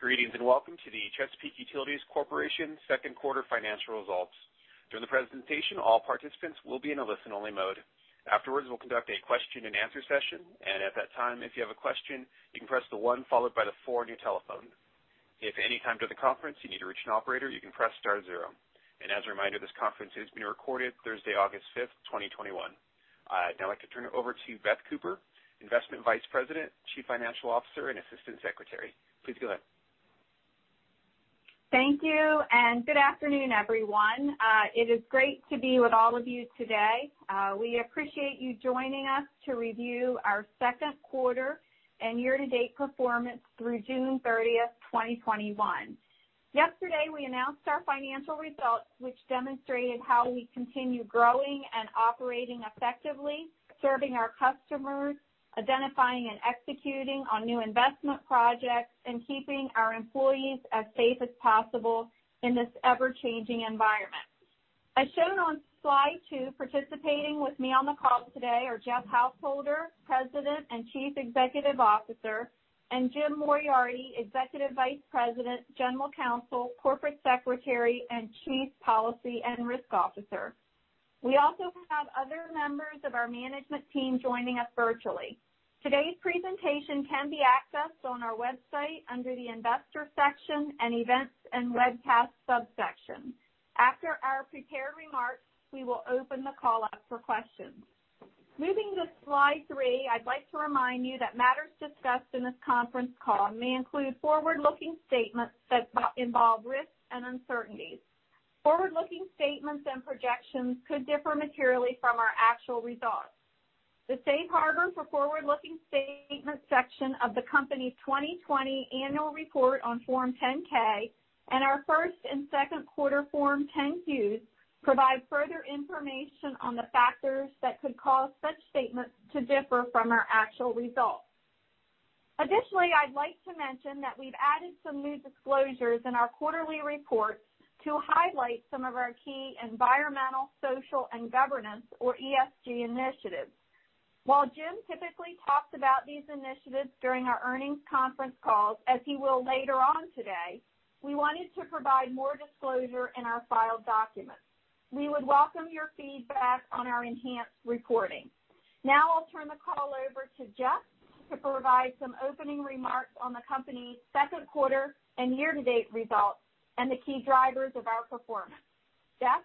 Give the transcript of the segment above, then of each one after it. Greetings and welcome to the Chesapeake Utilities Corporation second quarter financial results. During the presentation, all participants will be in a listen-only mode. Afterwards, we'll conduct a question-and-answer session, and at that time, if you have a question, you can press the one followed by the four on your telephone. If at any time during the conference you need to reach an operator, you can press star zero. And as a reminder, this conference is being recorded Thursday, August 5th, 2021. I'd now like to turn it over to Beth Cooper, Executive Vice President, Chief Financial Officer, and Assistant Secretary. Please go ahead. Thank you and good afternoon, everyone. It is great to be with all of you today. We appreciate you joining us to review our second quarter and year-to-date performance through June 30th, 2021. Yesterday, we announced our financial results, which demonstrated how we continue growing and operating effectively, serving our customers, identifying and executing on new investment projects, and keeping our employees as safe as possible in this ever-changing environment. As shown on slide two, participating with me on the call today are Jeff Householder, President and Chief Executive Officer, and Jim Moriarty, Executive Vice President, General Counsel, Corporate Secretary, and Chief Policy and Risk Officer. We also have other members of our management team joining us virtually. Today's presentation can be accessed on our website under the Investor section and Events and Webcast subsection. After our prepared remarks, we will open the call up for questions. Moving to slide three, I'd like to remind you that matters discussed in this conference call may include forward-looking statements that involve risks and uncertainties. Forward-looking statements and projections could differ materially from our actual results. The Safe Harbor for forward-looking statements section of the company's 2020 annual report on Form 10-K and our first and second quarter Form 10-Qs provide further information on the factors that could cause such statements to differ from our actual results. Additionally, I'd like to mention that we've added some new disclosures in our quarterly reports to highlight some of our key Environmental, Social, and Governance, or ESG, initiatives. While Jim typically talks about these initiatives during our earnings conference calls, as he will later on today, we wanted to provide more disclosure in our filed documents. We would welcome your feedback on our enhanced reporting. Now I'll turn the call over to Jeff to provide some opening remarks on the company's second quarter and year-to-date results and the key drivers of our performance. Jeff?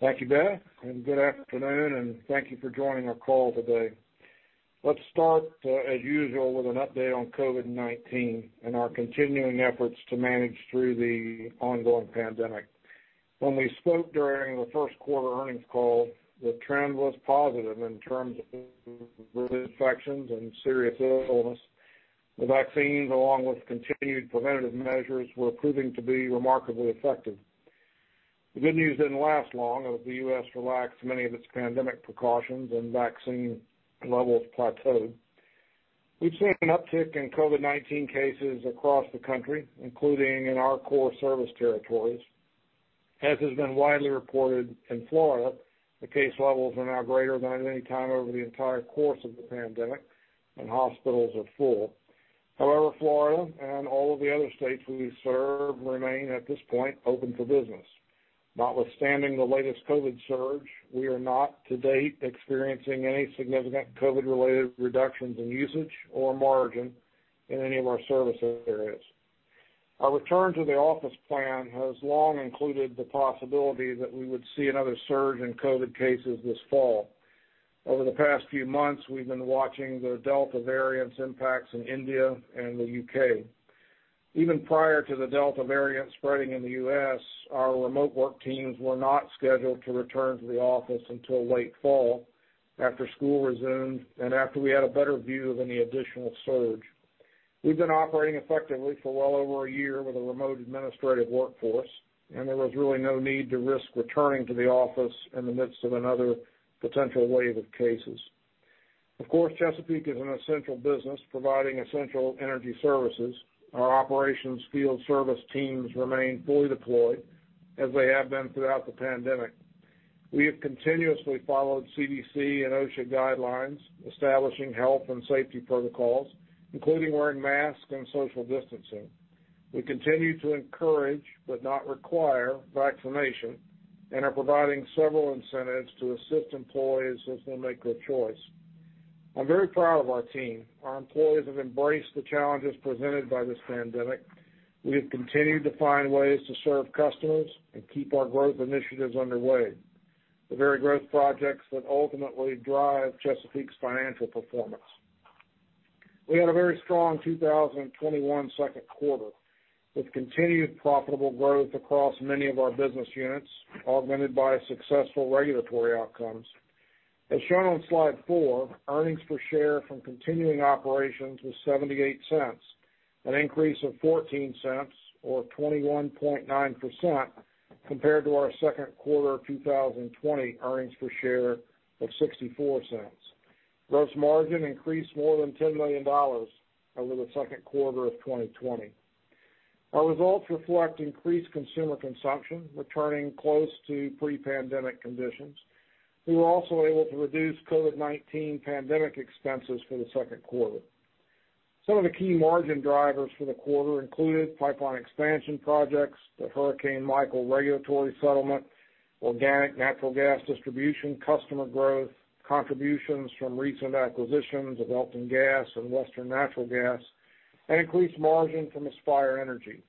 Thank you, Beth, and good afternoon, and thank you for joining our call today. Let's start, as usual, with an update on COVID-19 and our continuing efforts to manage through the ongoing pandemic. When we spoke during the first quarter earnings call, the trend was positive in terms of infections and serious illness. The vaccines, along with continued preventative measures, were proving to be remarkably effective. The good news didn't last long as the U.S. relaxed many of its pandemic precautions and vaccine levels plateaued. We've seen an uptick in COVID-19 cases across the country, including in our core service territories. As has been widely reported in Florida, the case levels are now greater than at any time over the entire course of the pandemic, and hospitals are full. However, Florida and all of the other states we serve remain at this point open for business. Notwithstanding the latest COVID surge, we are not to date experiencing any significant COVID-related reductions in usage or margin in any of our service areas. Our return to the office plan has long included the possibility that we would see another surge in COVID cases this fall. Over the past few months, we've been watching the Delta variant's impacts in India and the U.K. Even prior to the Delta variant spreading in the U.S., our remote work teams were not scheduled to return to the office until late fall after school resumed and after we had a better view of any additional surge. We've been operating effectively for well over a year with a remote administrative workforce, and there was really no need to risk returning to the office in the midst of another potential wave of cases. Of course, Chesapeake is an essential business providing essential energy services. Our operations field service teams remain fully deployed as they have been throughout the pandemic. We have continuously followed CDC and OSHA guidelines, establishing health and safety protocols, including wearing masks and social distancing. We continue to encourage but not require vaccination and are providing several incentives to assist employees as they make their choice. I'm very proud of our team. Our employees have embraced the challenges presented by this pandemic. We have continued to find ways to serve customers and keep our growth initiatives underway, the very growth projects that ultimately drive Chesapeake's financial performance. We had a very strong 2021 second quarter with continued profitable growth across many of our business units, augmented by successful regulatory outcomes. As shown on slide four, earnings per share from continuing operations was $0.78, an increase of $0.14, or 21.9%, compared to our second quarter of 2020 earnings per share of $0.64. Gross margin increased more than $10 million over the second quarter of 2020. Our results reflect increased consumer consumption returning close to pre-pandemic conditions. We were also able to reduce COVID-19 pandemic expenses for the second quarter. Some of the key margin drivers for the quarter included pipeline expansion projects, the Hurricane Michael regulatory settlement, organic natural gas distribution, customer growth, contributions from recent acquisitions of Elkton Gas and Western Natural Gas, and increased margin from Aspire Energy.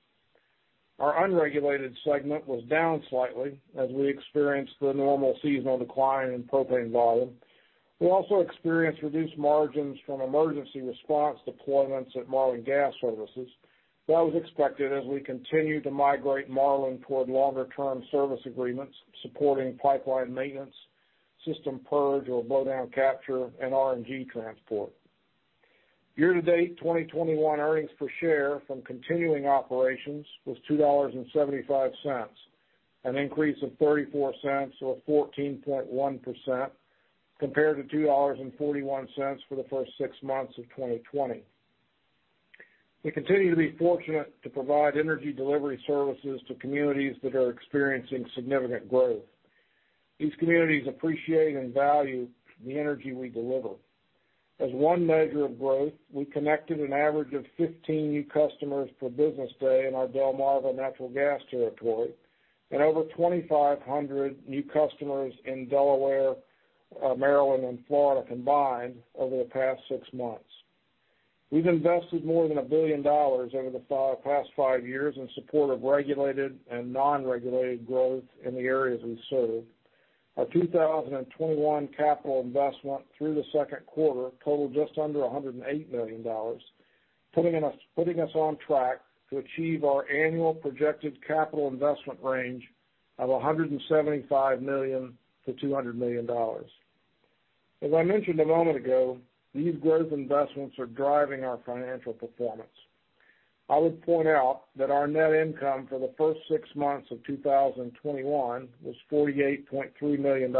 Our unregulated segment was down slightly as we experienced the normal seasonal decline in propane volume. We also experienced reduced margins from emergency response deployments at Marlin Gas Services. That was expected as we continued to migrate Marlin toward longer-term service agreements supporting pipeline maintenance, system purge, or blowdown capture and RNG transport. Year-to-date 2021 earnings per share from continuing operations was $2.75, an increase of $0.34, or 14.1%, compared to $2.41 for the first six months of 2020. We continue to be fortunate to provide energy delivery services to communities that are experiencing significant growth. These communities appreciate and value the energy we deliver. As one measure of growth, we connected an average of 15 new customers per business day in our Delmarva natural gas territory and over 2,500 new customers in Delaware, Maryland, and Florida combined over the past six months. We've invested more than a billion dollars over the past five years in support of regulated and non-regulated growth in the areas we serve. Our 2021 capital investment through the second quarter totaled just under $108 million, putting us on track to achieve our annual projected capital investment range of $175 million-$200 million. As I mentioned a moment ago, these growth investments are driving our financial performance. I would point out that our net income for the first six months of 2021 was $48.3 million,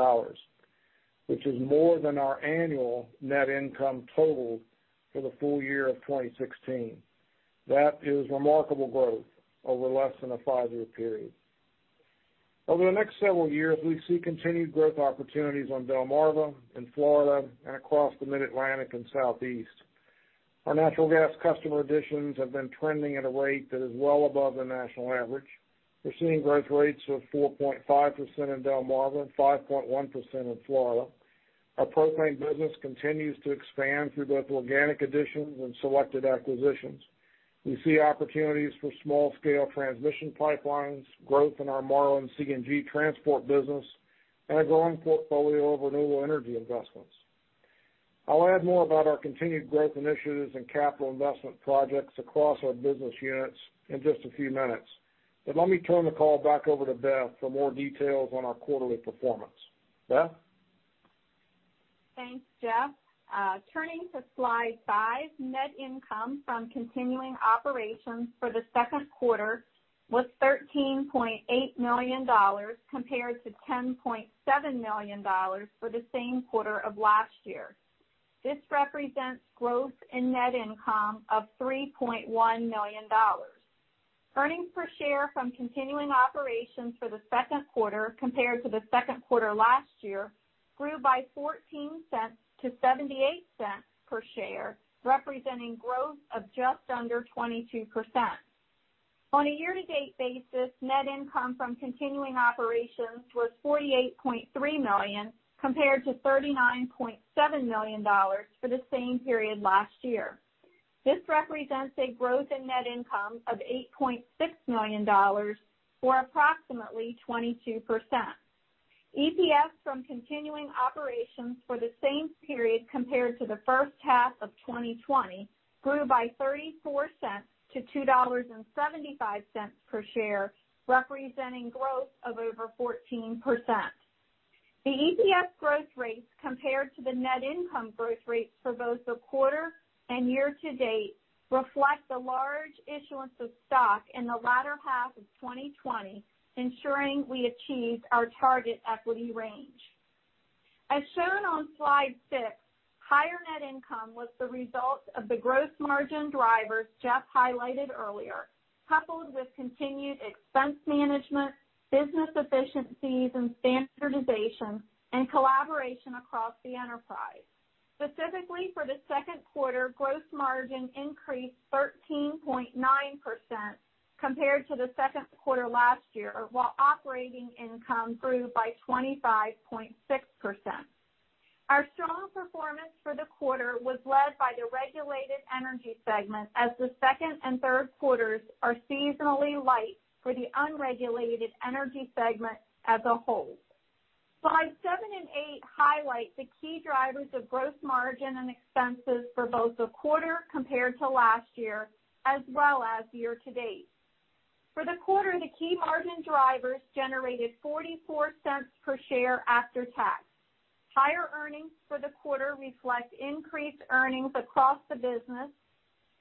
which is more than our annual net income totaled for the full year of 2016. That is remarkable growth over less than a five-year period. Over the next several years, we see continued growth opportunities on Delmarva and Florida and across the Mid-Atlantic and Southeast. Our natural gas customer additions have been trending at a rate that is well above the national average. We're seeing growth rates of 4.5% in Delmarva and 5.1% in Florida. Our propane business continues to expand through both organic additions and selected acquisitions. We see opportunities for small-scale transmission pipelines, growth in our Marlin CNG transport business, and a growing portfolio of renewable energy investments. I'll add more about our continued growth initiatives and capital investment projects across our business units in just a few minutes, but let me turn the call back over to Beth for more details on our quarterly performance. Beth? Thanks, Jeff. Turning to slide 5, net income from continuing operations for the second quarter was $13.8 million compared to $10.7 million for the same quarter of last year. This represents growth in net income of $3.1 million. Earnings per share from continuing operations for the second quarter compared to the second quarter last year grew by $0.14 to $0.78 per share, representing growth of just under 22%. On a year-to-date basis, net income from continuing operations was $48.3 million compared to $39.7 million for the same period last year. This represents a growth in net income of $8.6 million or approximately 22%. EPS from continuing operations for the same period compared to the first half of 2020 grew by $0.34 to $2.75 per share, representing growth of over 14%. The EPS growth rates compared to the net income growth rates for both the quarter and year-to-date reflect the large issuance of stock in the latter half of 2020, ensuring we achieved our target equity range. As shown on slide six, higher net income was the result of the gross margin drivers Jeff highlighted earlier, coupled with continued expense management, business efficiencies, and standardization, and collaboration across the enterprise. Specifically, for the second quarter, gross margin increased 13.9% compared to the second quarter last year, while operating income grew by 25.6%. Our strong performance for the quarter was led by the regulated energy segment as the second and third quarters are seasonally light for the unregulated energy segment as a whole. Slide seven and eight highlight the key drivers of gross margin and expenses for both the quarter compared to last year as well as year-to-date. For the quarter, the key margin drivers generated $0.44 per share after tax. Higher earnings for the quarter reflect increased earnings across the business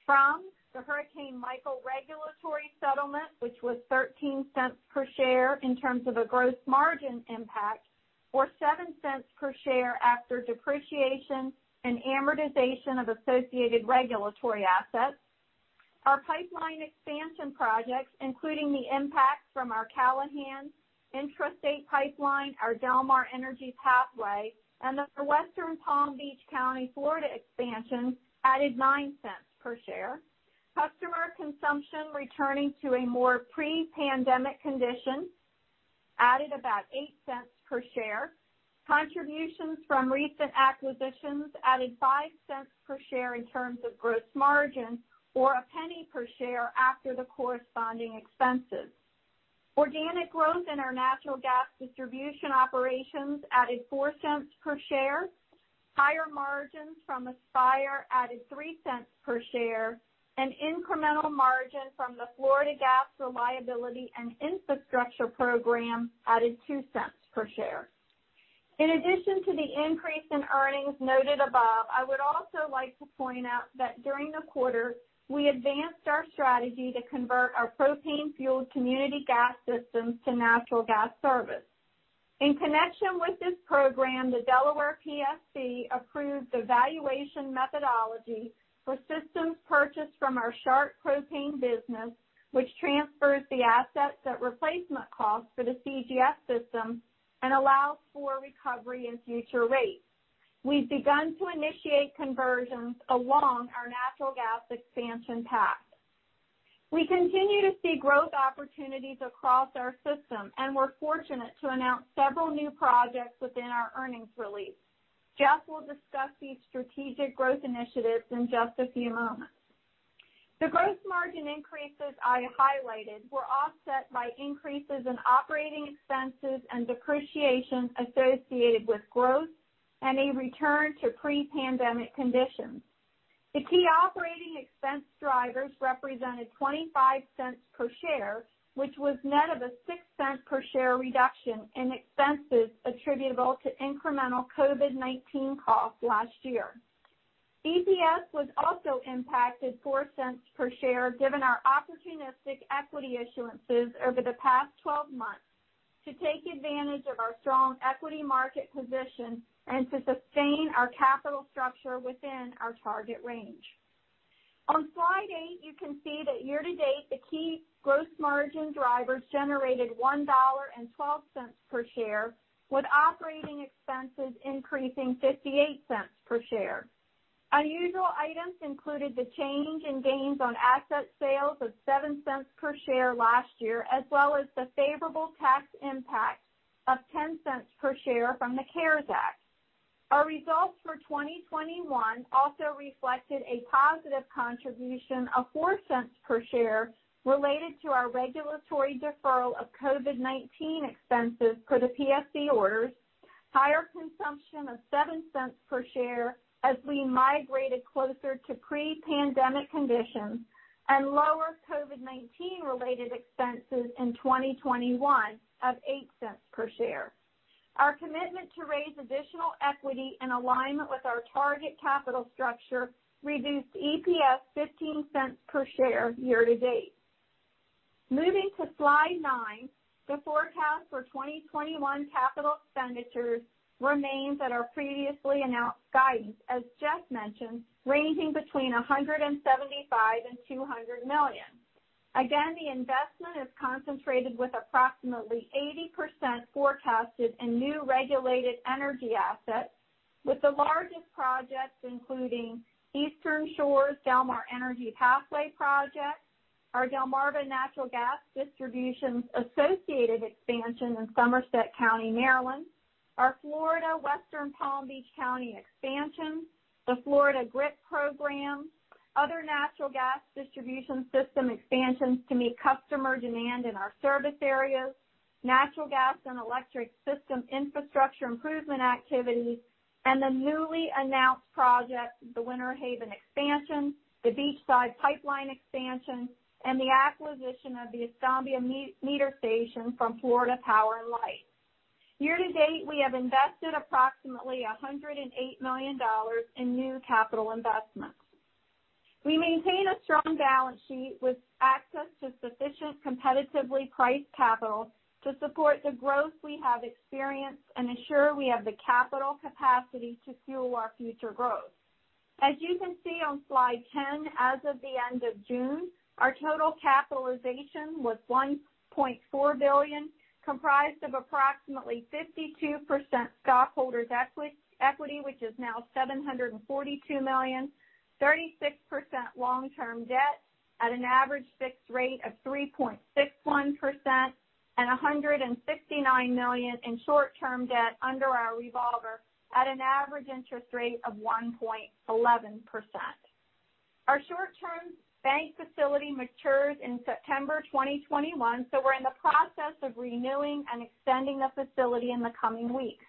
from the Hurricane Michael regulatory settlement, which was $0.13 per share in terms of a gross margin impact, or $0.07 per share after depreciation and amortization of associated regulatory assets. Our pipeline expansion projects, including the impact from our Callahan Intrastate Pipeline, our Delmar Energy Pathway, and the Western Palm Beach County Expansion, added $0.09 per share. Customer consumption returning to a more pre-pandemic condition added about $0.08 per share. Contributions from recent acquisitions added $0.05 per share in terms of gross margin or $0.01 per share after the corresponding expenses. Organic growth in our natural gas distribution operations added $0.04 per share. Higher margins from Aspire added $0.03 per share, and incremental margin from the Florida Gas Reliability and Infrastructure Program added $0.02 per share. In addition to the increase in earnings noted above, I would also like to point out that during the quarter, we advanced our strategy to convert our propane-fueled community gas systems to natural gas service. In connection with this program, the Delaware PSC approved the valuation methodology for systems purchased from our Sharp Propane business, which transfers the assets at replacement cost for the CGS system and allows for recovery in future rates. We've begun to initiate conversions along our natural gas expansion path. We continue to see growth opportunities across our system, and we're fortunate to announce several new projects within our earnings release. Jeff will discuss these strategic growth initiatives in just a few moments. The gross margin increases I highlighted were offset by increases in operating expenses and depreciation associated with growth and a return to pre-pandemic conditions. The key operating expense drivers represented $0.25 per share, which was net of a $0.06 per share reduction in expenses attributable to incremental COVID-19 costs last year. EPS was also impacted $0.04 per share given our opportunistic equity issuances over the past 12 months to take advantage of our strong equity market position and to sustain our capital structure within our target range. On slide eight, you can see that year-to-date, the key gross margin drivers generated $1.12 per share with operating expenses increasing $0.58 per share. Unusual items included the change in gains on asset sales of $0.07 per share last year, as well as the favorable tax impact of $0.10 per share from the CARES Act. Our results for 2021 also reflected a positive contribution of $0.04 cents per share related to our regulatory deferral of COVID-19 expenses for the PSC orders, higher consumption of $0.07 cents per share as we migrated closer to pre-pandemic conditions, and lower COVID-19-related expenses in 2021 of 8 cents per share. Our commitment to raise additional equity in alignment with our target capital structure reduced EPS $0.15 cents per share year-to-date. Moving to slide nine, the forecast for 2021 capital expenditures remains at our previously announced guidance, as Jeff mentioned, ranging between $175 million and $200 million. Again, the investment is concentrated with approximately 80% forecasted in new regulated energy assets, with the largest projects including Eastern Shore's Delmar Energy Pathway project, our Delmarva Natural Gas distribution system expansion in Somerset County, Maryland, our Florida Western Palm Beach County Expansion, the Florida GRIP program, other natural gas distribution system expansions to meet customer demand in our service areas, natural gas and electric system infrastructure improvement activities, and the newly announced project, the Winter Haven Expansion, the Beachside Pipeline Expansion, and the acquisition of the Escambia Meter Station from Florida Power & Light. Year-to-date, we have invested approximately $108 million in new capital investments. We maintain a strong balance sheet with access to sufficient competitively priced capital to support the growth we have experienced and ensure we have the capital capacity to fuel our future growth. As you can see on slide 10, as of the end of June, our total capitalization was $1.4 billion, comprised of approximately 52% stockholders' equity, which is now $742 million, 36% long-term debt at an average fixed rate of 3.61%, and $169 million in short-term debt under our revolver at an average interest rate of 1.11%. Our short-term bank facility matures in September 2021, so we're in the process of renewing and extending the facility in the coming weeks.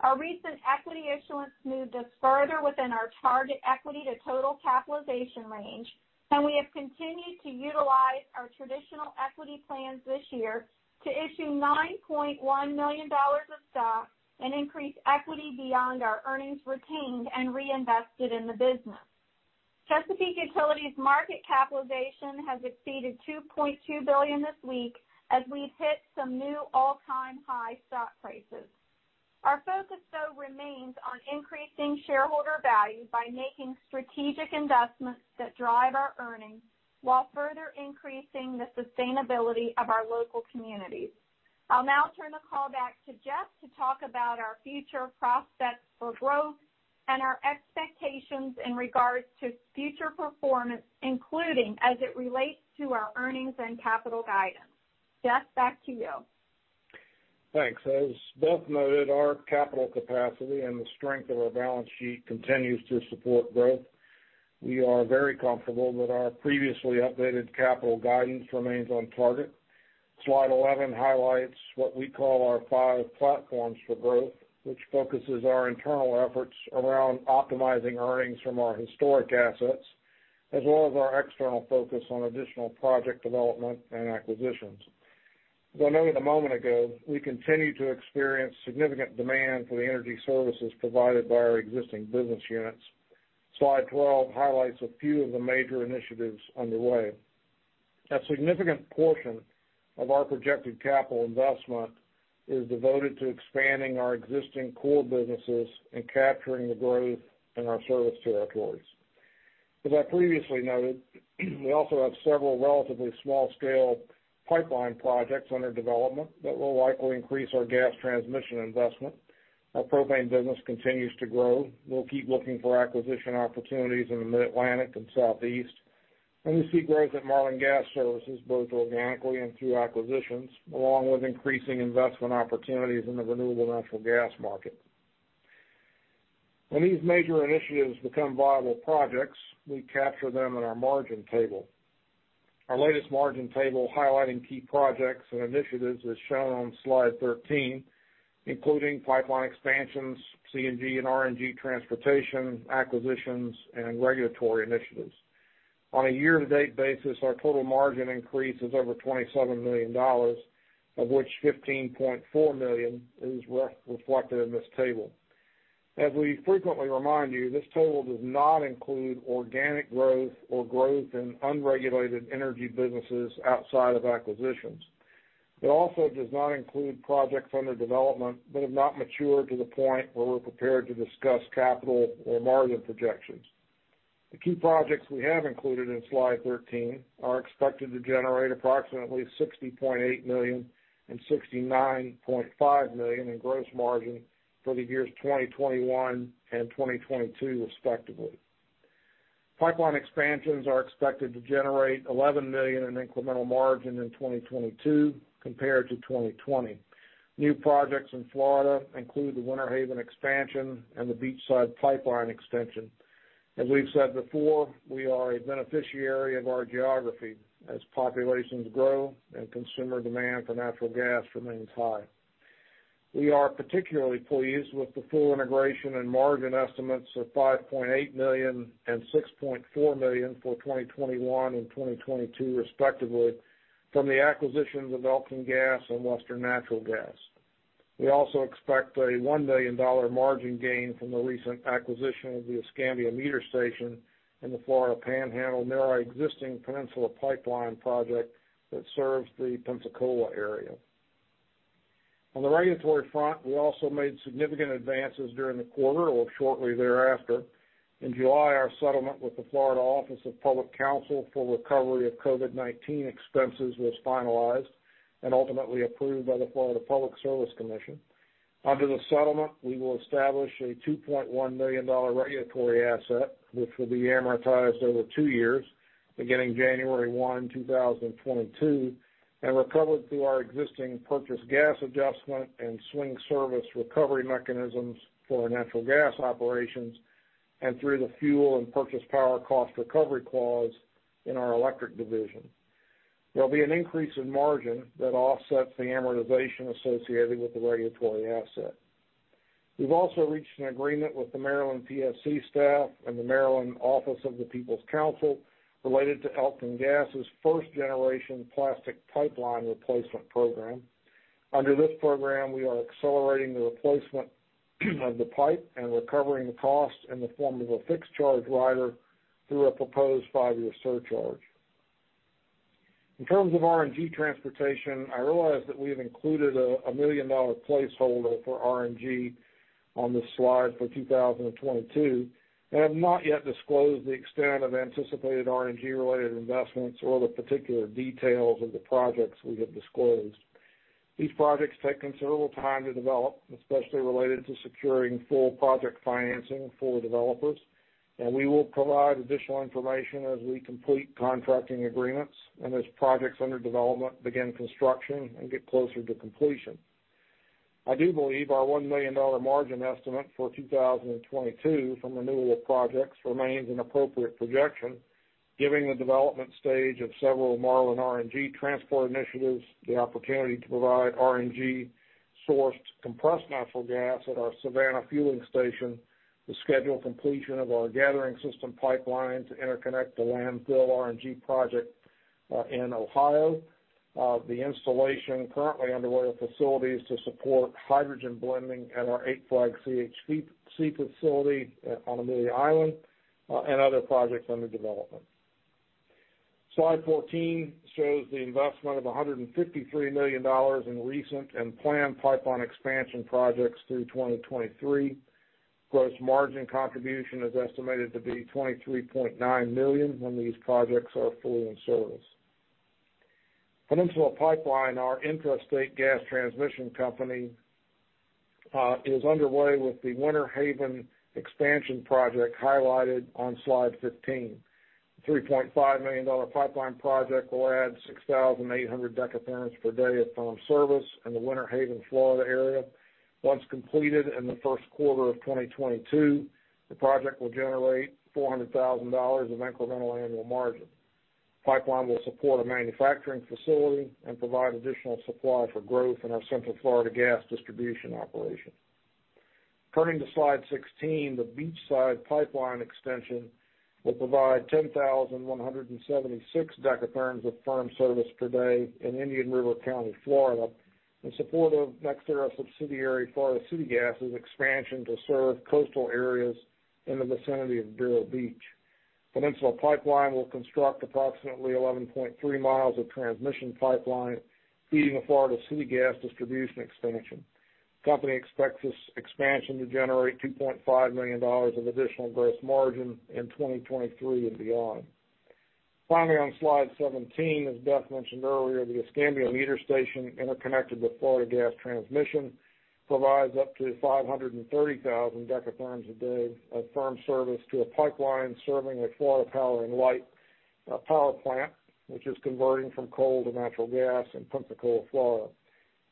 Our recent equity issuance moved us further within our target equity to total capitalization range, and we have continued to utilize our traditional equity plans this year to issue $9.1 million of stock and increase equity beyond our earnings retained and reinvested in the business. Chesapeake Utilities' market capitalization has exceeded $2.2 billion this week as we've hit some new all-time high stock prices. Our focus, though, remains on increasing shareholder value by making strategic investments that drive our earnings while further increasing the sustainability of our local communities. I'll now turn the call back to Jeff to talk about our future prospects for growth and our expectations in regards to future performance, including as it relates to our earnings and capital guidance. Jeff, back to you. Thanks. As Beth noted, our capital capacity and the strength of our balance sheet continues to support growth. We are very comfortable that our previously updated capital guidance remains on target. Slide 11 highlights what we call our five platforms for growth, which focuses our internal efforts around optimizing earnings from our historic assets as well as our external focus on additional project development and acquisitions. As I noted a moment ago, we continue to experience significant demand for the energy services provided by our existing business units. Slide 12 highlights a few of the major initiatives underway. A significant portion of our projected capital investment is devoted to expanding our existing core businesses and capturing the growth in our service territories. As I previously noted, we also have several relatively small-scale pipeline projects under development that will likely increase our gas transmission investment. Our propane business continues to grow. We'll keep looking for acquisition opportunities in the Mid-Atlantic and Southeast, and we see growth at Marlin Gas Services, both organically and through acquisitions, along with increasing investment opportunities in the renewable natural gas market. When these major initiatives become viable projects, we capture them in our margin table. Our latest margin table highlighting key projects and initiatives is shown on slide 13, including pipeline expansions, CNG and RNG transportation acquisitions, and regulatory initiatives. On a year-to-date basis, our total margin increase is over $27 million, of which $15.4 million is reflected in this table. As we frequently remind you, this table does not include organic growth or growth in unregulated energy businesses outside of acquisitions. It also does not include projects under development that have not matured to the point where we're prepared to discuss capital or margin projections. The key projects we have included in slide 13 are expected to generate approximately $60.8 million and $69.5 million in gross margin for the years 2021 and 2022, respectively. Pipeline expansions are expected to generate $11 million in incremental margin in 2022 compared to 2020. New projects in Florida include the Winter Haven Expansion and the Beachside Pipeline Extension. As we've said before, we are a beneficiary of our geography as populations grow and consumer demand for natural gas remains high. We are particularly pleased with the full integration and margin estimates of $5.8 million and $6.4 million for 2021 and 2022, respectively, from the acquisitions of Elkton Gas and Western Natural Gas. We also expect a $1 million margin gain from the recent acquisition of the Escambia Meter Station and the Florida Panhandle near our existing Peninsula Pipeline project that serves the Pensacola area. On the regulatory front, we also made significant advances during the quarter or shortly thereafter. In July, our settlement with the Florida Office of Public Counsel for recovery of COVID-19 expenses was finalized and ultimately approved by the Florida Public Service Commission. Under the settlement, we will establish a $2.1 million regulatory asset, which will be amortized over two years, beginning January 1, 2022, and recovered through our existing purchase gas adjustment and swing service recovery mechanisms for our natural gas operations and through the fuel and purchase power cost recovery clause in our electric division. There'll be an increase in margin that offsets the amortization associated with the regulatory asset. We've also reached an agreement with the Maryland PSC staff and the Maryland Office of People's Counsel related to Elkton Gas's first-generation plastic pipeline replacement program. Under this program, we are accelerating the replacement of the pipe and recovering the cost in the form of a fixed charge rider through a proposed five-year surcharge. In terms of RNG transportation, I realize that we have included a $1 million placeholder for RNG on this slide for 2022 and have not yet disclosed the extent of anticipated RNG-related investments or the particular details of the projects we have disclosed. These projects take considerable time to develop, especially related to securing full project financing for developers, and we will provide additional information as we complete contracting agreements and as projects under development begin construction and get closer to completion. I do believe our $1 million margin estimate for 2022 from renewable projects remains an appropriate projection, given the development stage of several Marlin RNG transport initiatives, the opportunity to provide RNG-sourced compressed natural gas at our Savannah Fueling Station, the scheduled completion of our gathering system pipeline to interconnect the landfill RNG project in Ohio, the installation currently underway of facilities to support hydrogen blending at our Eight Flags CHP facility on Amelia Island, and other projects under development. Slide 14 shows the investment of $153 million in recent and planned pipeline expansion projects through 2023. Gross margin contribution is estimated to be $23.9 million when these projects are fully in service. Peninsula Pipeline, our intrastate gas transmission company, is underway with the Winter Haven Expansion project highlighted on slide 15. The $3.5 million pipeline project will add 6,800 dekatherms per day of firm service in the Winter Haven, Florida area. Once completed in the first quarter of 2022, the project will generate $400,000 of incremental annual margin. Pipeline will support a manufacturing facility and provide additional supply for growth in our Central Florida gas distribution operation. Turning to slide 16, the Beachside Pipeline Extension will provide 10,176 dekatherms of firm service per day in Indian River County, Florida, in support of NextEra subsidiary Florida City Gas's expansion to serve coastal areas in the vicinity of Vero Beach. Peninsula Pipeline will construct approximately 11.3 miles of transmission pipeline feeding the Florida City Gas distribution expansion. The company expects this expansion to generate $2.5 million of additional gross margin in 2023 and beyond. Finally, on slide 17, as Beth mentioned earlier, the Escambia Meter Station interconnected with Florida Gas Transmission provides up to 530,000 dekatherms a day of firm service to a pipeline serving a Florida Power & Light power plant, which is converting from coal to natural gas in Pensacola, Florida.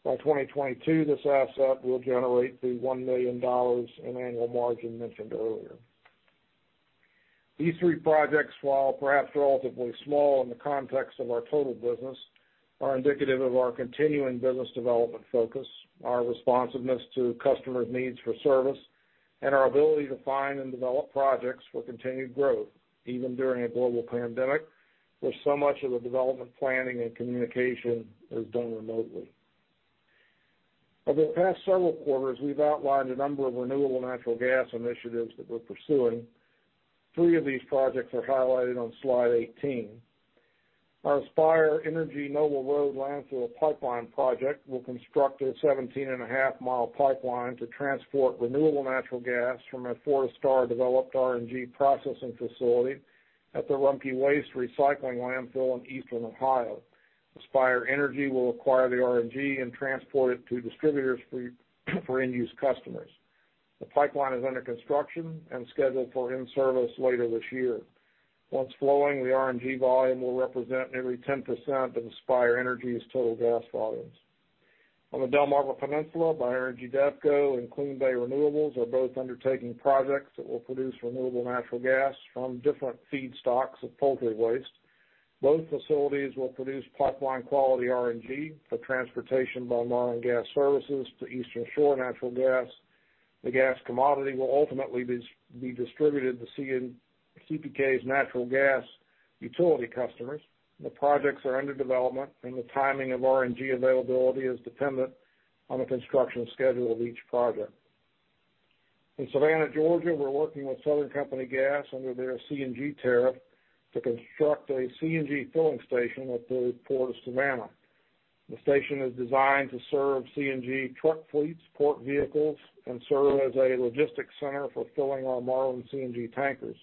By 2022, this asset will generate the $1 million in annual margin mentioned earlier. These three projects, while perhaps relatively small in the context of our total business, are indicative of our continuing business development focus, our responsiveness to customer needs for service, and our ability to find and develop projects for continued growth, even during a global pandemic, where so much of the development planning and communication is done remotely. Over the past several quarters, we've outlined a number of renewable natural gas initiatives that we're pursuing. Three of these projects are highlighted on slide 18. Our Aspire Energy Noble Road Landfill Pipeline project will construct a 17.5-mile pipeline to transport renewable natural gas from a Fortistar developed RNG processing facility at the Rumpke Waste & Recycling Landfill in eastern Ohio. Aspire Energy will acquire the RNG and transport it to distributors for end-use customers. The pipeline is under construction and scheduled for in-service later this year. Once flowing, the RNG volume will represent nearly 10% of Aspire Energy's total gas volumes. On the Delmarva Peninsula, Bioenergy Devco and CleanBay Renewables are both undertaking projects that will produce renewable natural gas from different feedstocks of poultry waste. Both facilities will produce pipeline-quality RNG for transportation by Marlin Gas Services to Eastern Shore Natural Gas. The gas commodity will ultimately be distributed to Chesapeake's natural gas utility customers. The projects are under development, and the timing of RNG availability is dependent on the construction schedule of each project. In Savannah, Georgia, we're working with Southern Company Gas under their CNG tariff to construct a CNG filling station at the Port of Savannah. The station is designed to serve CNG truck fleets, port vehicles, and serve as a logistics center for filling our Marlin CNG tankers.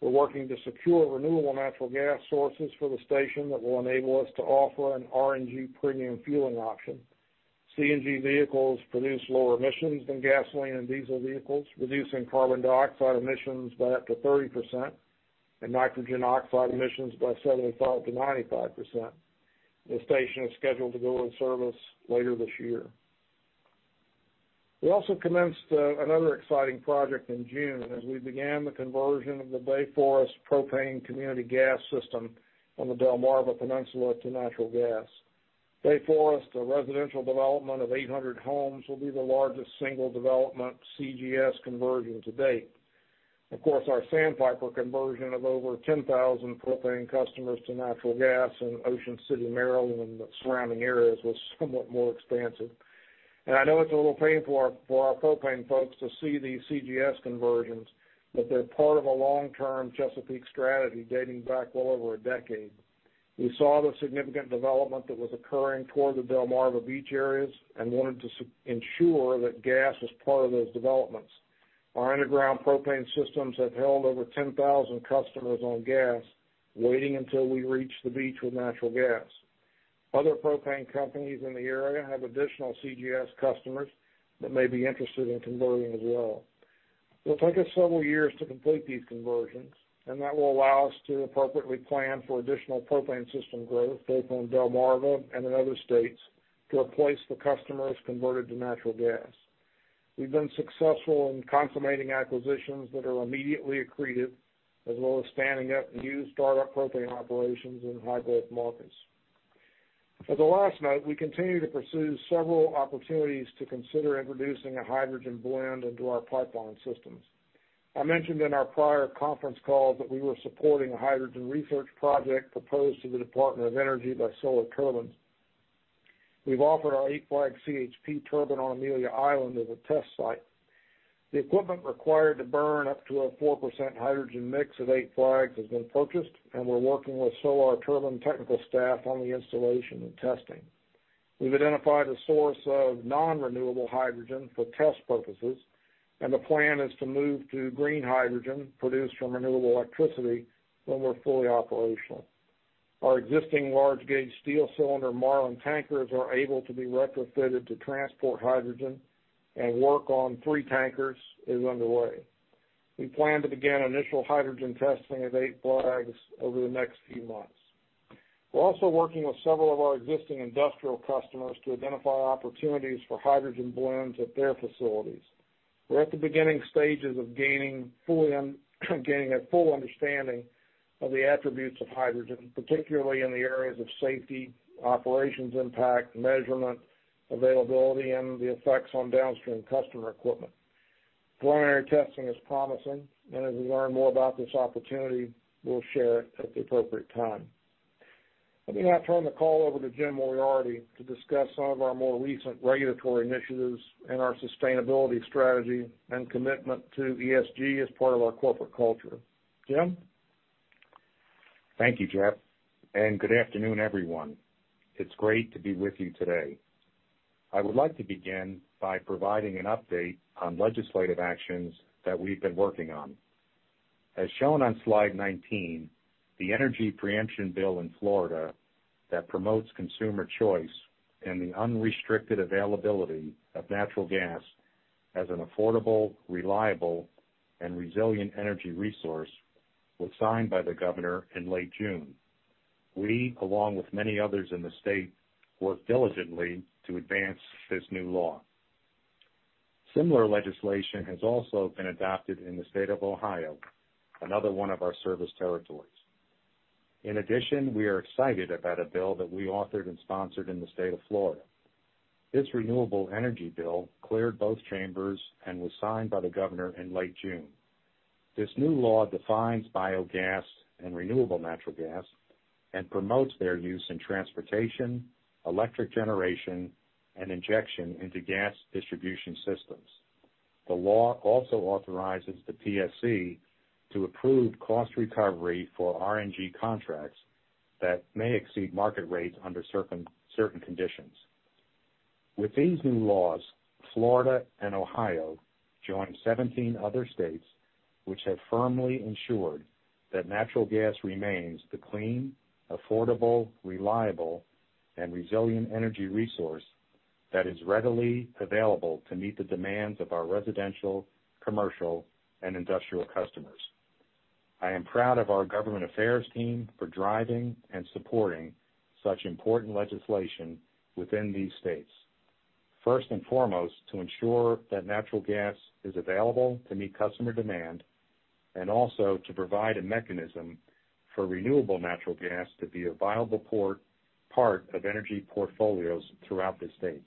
We're working to secure renewable natural gas sources for the station that will enable us to offer an RNG premium fueling option. CNG vehicles produce lower emissions than gasoline and diesel vehicles, reducing carbon dioxide emissions by up to 30% and nitrogen oxide emissions by 75%-95%. The station is scheduled to go in service later this year. We also commenced another exciting project in June as we began the conversion of the Bay Forest propane community gas system from the Delmarva Peninsula to natural gas. Bay Forest, a residential development of 800 homes, will be the largest single development CGS conversion to date. Of course, our Sandpiper conversion of over 10,000 propane customers to natural gas in Ocean City, Maryland, and the surrounding areas was somewhat more expansive. I know it's a little painful for our propane folks to see these CGS conversions, but they're part of a long-term Chesapeake strategy dating back well over a decade. We saw the significant development that was occurring toward the Delmarva beach areas and wanted to ensure that gas was part of those developments. Our underground propane systems have held over 10,000 customers on gas waiting until we reach the beach with natural gas. Other propane companies in the area have additional CGS customers that may be interested in converting as well. It'll take us several years to complete these conversions, and that will allow us to appropriately plan for additional propane system growth both on Delmarva and in other states to replace the customers converted to natural gas. We've been successful in consummating acquisitions that are immediately accretive, as well as standing up new startup propane operations in high-growth markets. As a last note, we continue to pursue several opportunities to consider introducing a hydrogen blend into our pipeline systems. I mentioned in our prior conference calls that we were supporting a hydrogen research project proposed to the Department of Energy by Solar Turbines. We've offered our Eight Flags CHP turbine on Amelia Island as a test site. The equipment required to burn up to a 4% hydrogen mix of Eight Flags has been purchased, and we're working with Solar Turbines technical staff on the installation and testing. We've identified a source of non-renewable hydrogen for test purposes, and the plan is to move to green hydrogen produced from renewable electricity when we're fully operational. Our existing large-gauge steel cylinder Marlin tankers are able to be retrofitted to transport hydrogen, and work on three tankers is underway. We plan to begin initial hydrogen testing of Eight Flags over the next few months. We're also working with several of our existing industrial customers to identify opportunities for hydrogen blends at their facilities. We're at the beginning stages of gaining a full understanding of the attributes of hydrogen, particularly in the areas of safety, operations impact, measurement, availability, and the effects on downstream customer equipment. Preliminary testing is promising, and as we learn more about this opportunity, we'll share it at the appropriate time. Let me now turn the call over to Jim Moriarty to discuss some of our more recent regulatory initiatives and our sustainability strategy and commitment to ESG as part of our corporate culture. Jim? Thank you, Jeff, and good afternoon, everyone. It's great to be with you today. I would like to begin by providing an update on legislative actions that we've been working on. As shown on slide 19, the energy preemption bill in Florida that promotes consumer choice and the unrestricted availability of natural gas as an affordable, reliable, and resilient energy resource was signed by the governor in late June. We, along with many others in the state, worked diligently to advance this new law. Similar legislation has also been adopted in the state of Ohio, another one of our service territories. In addition, we are excited about a bill that we authored and sponsored in the state of Florida. This renewable energy bill cleared both chambers and was signed by the governor in late June. This new law defines biogas and renewable natural gas and promotes their use in transportation, electric generation, and injection into gas distribution systems. The law also authorizes the PSC to approve cost recovery for RNG contracts that may exceed market rates under certain conditions. With these new laws, Florida and Ohio joined 17 other states, which have firmly ensured that natural gas remains the clean, affordable, reliable, and resilient energy resource that is readily available to meet the demands of our residential, commercial, and industrial customers. I am proud of our government affairs team for driving and supporting such important legislation within these states, first and foremost to ensure that natural gas is available to meet customer demand and also to provide a mechanism for renewable natural gas to be a viable part of energy portfolios throughout the states.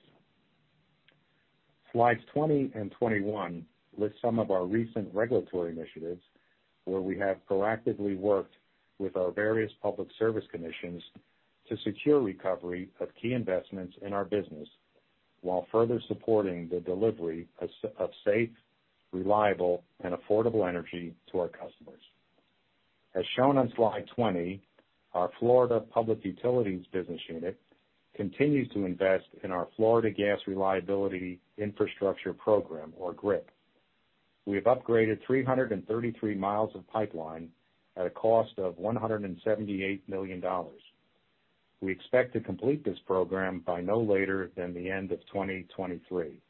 Slides 20 and 21 list some of our recent regulatory initiatives where we have proactively worked with our various public service commissions to secure recovery of key investments in our business while further supporting the delivery of safe, reliable, and affordable energy to our customers. As shown on slide 20, our Florida Public Utilities business unit continues to invest in our Florida Gas Reliability Infrastructure Program, or GRIP. We have upgraded 333 miles of pipeline at a cost of $178 million. We expect to complete this program by no later than the end of 2023.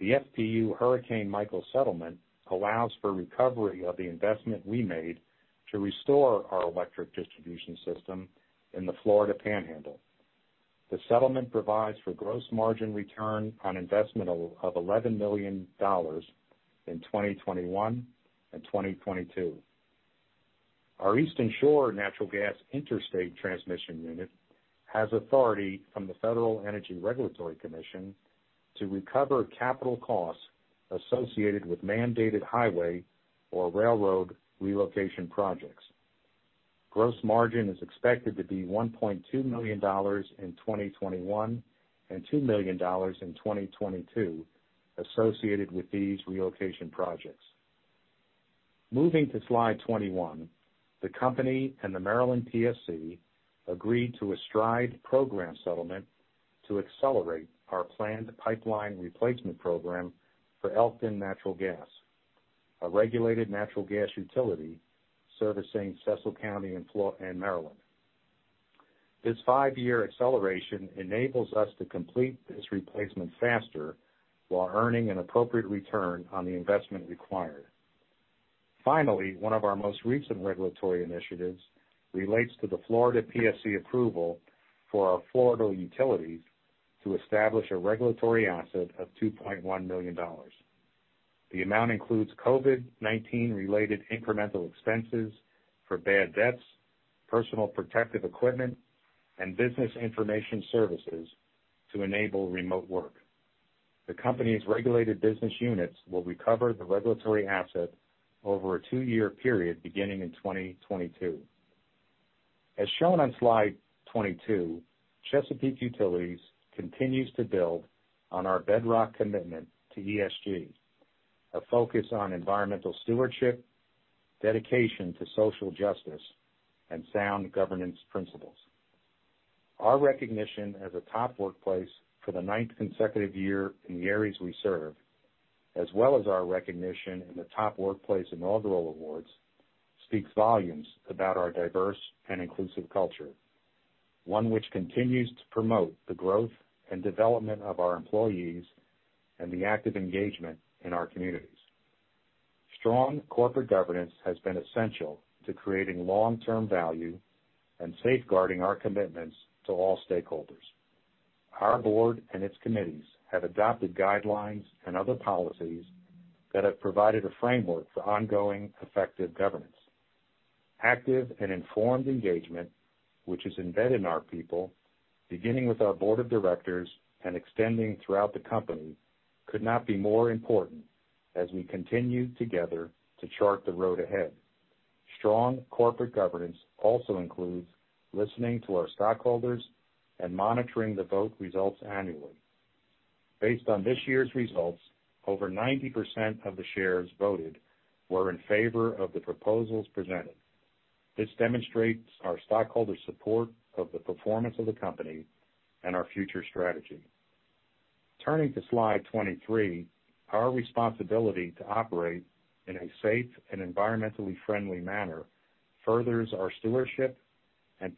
The FPU Hurricane Michael Settlement allows for recovery of the investment we made to restore our electric distribution system in the Florida Panhandle. The settlement provides for gross margin return on investment of $11 million in 2021 and 2022. Our Eastern Shore Natural Gas interstate transmission unit has authority from the Federal Energy Regulatory Commission to recover capital costs associated with mandated highway or railroad relocation projects. Gross margin is expected to be $1.2 million in 2021 and $2 million in 2022 associated with these relocation projects. Moving to slide 21, the company and the Maryland PSC agreed to a STRIDE Program settlement to accelerate our planned pipeline replacement program for Elkton Gas, a regulated natural gas utility servicing Cecil County, Maryland. This five-year acceleration enables us to complete this replacement faster while earning an appropriate return on the investment required. Finally, one of our most recent regulatory initiatives relates to the Florida PSC approval for our Florida utilities to establish a regulatory asset of $2.1 million. The amount includes COVID-19-related incremental expenses for bad debts, personal protective equipment, and business information services to enable remote work. The company's regulated business units will recover the regulatory asset over a two-year period beginning in 2022. As shown on slide 22, Chesapeake Utilities continues to build on our bedrock commitment to ESG, a focus on environmental stewardship, dedication to social justice, and sound governance principles. Our recognition as a top workplace for the ninth consecutive year in the areas we serve, as well as our recognition in the Top Workplace Inaugural Awards, speaks volumes about our diverse and inclusive culture, one which continues to promote the growth and development of our employees and the active engagement in our communities. Strong corporate governance has been essential to creating long-term value and safeguarding our commitments to all stakeholders. Our board and its committees have adopted guidelines and other policies that have provided a framework for ongoing effective governance. Active and informed engagement, which is embedded in our people, beginning with our board of directors and extending throughout the company, could not be more important as we continue together to chart the road ahead. Strong corporate governance also includes listening to our stockholders and monitoring the vote results annually. Based on this year's results, over 90% of the shares voted were in favor of the proposals presented. This demonstrates our stockholders' support of the performance of the company and our future strategy. Turning to slide 23, our responsibility to operate in a safe and environmentally friendly manner furthers our stewardship and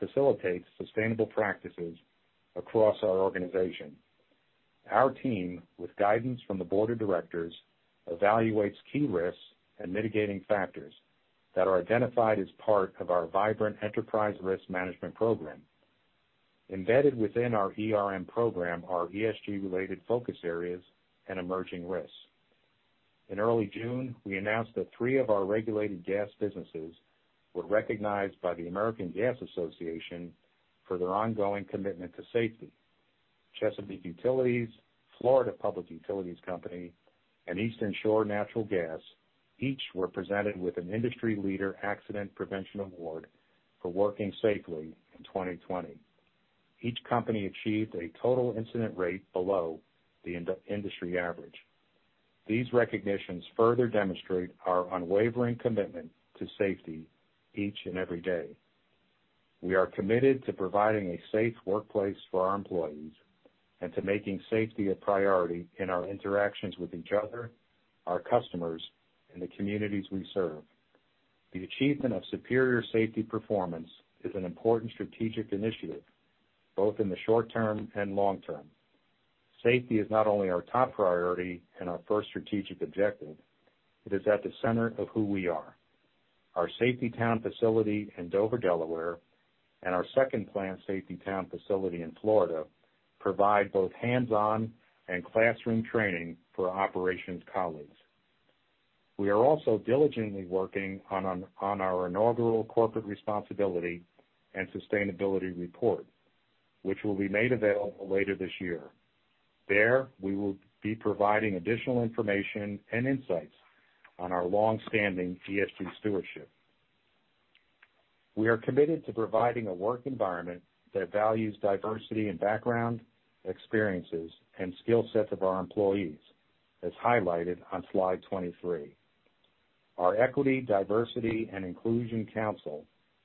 facilitates sustainable practices across our organization. Our team, with guidance from the Board of Directors, evaluates key risks and mitigating factors that are identified as part of our vibrant enterprise risk management program. Embedded within our program are ESG-related focus areas and emerging risks. In early June, we announced that three of our regulated gas businesses were recognized by the American Gas Association for their ongoing commitment to safety. Chesapeake Utilities, Florida Public Utilities Company, and Eastern Shore Natural Gas each were presented with an Industry Leader Accident Prevention Award for working safely in 2020. Each company achieved a total incident rate below the industry average. These recognitions further demonstrate our unwavering commitment to safety each and every day. We are committed to providing a safe workplace for our employees and to making safety a priority in our interactions with each other, our customers, and the communities we serve. The achievement of superior safety performance is an important strategic initiative, both in the short term and long term. Safety is not only our top priority and our first strategic objective, it is at the center of who we are. Our Safety Town facility in Dover, Delaware, and our second Safety Town facility in Florida provide both hands-on and classroom training for operations colleagues. We are also diligently working on our Inaugural Corporate Responsibility and Sustainability Report, which will be made available later this year. There, we will be providing additional information and insights on our longstanding ESG stewardship. We are committed to providing a work environment that values diversity in background, experiences, and skill sets of our employees, as highlighted on slide 23. Our Equity, Diversity, and Inclusion Council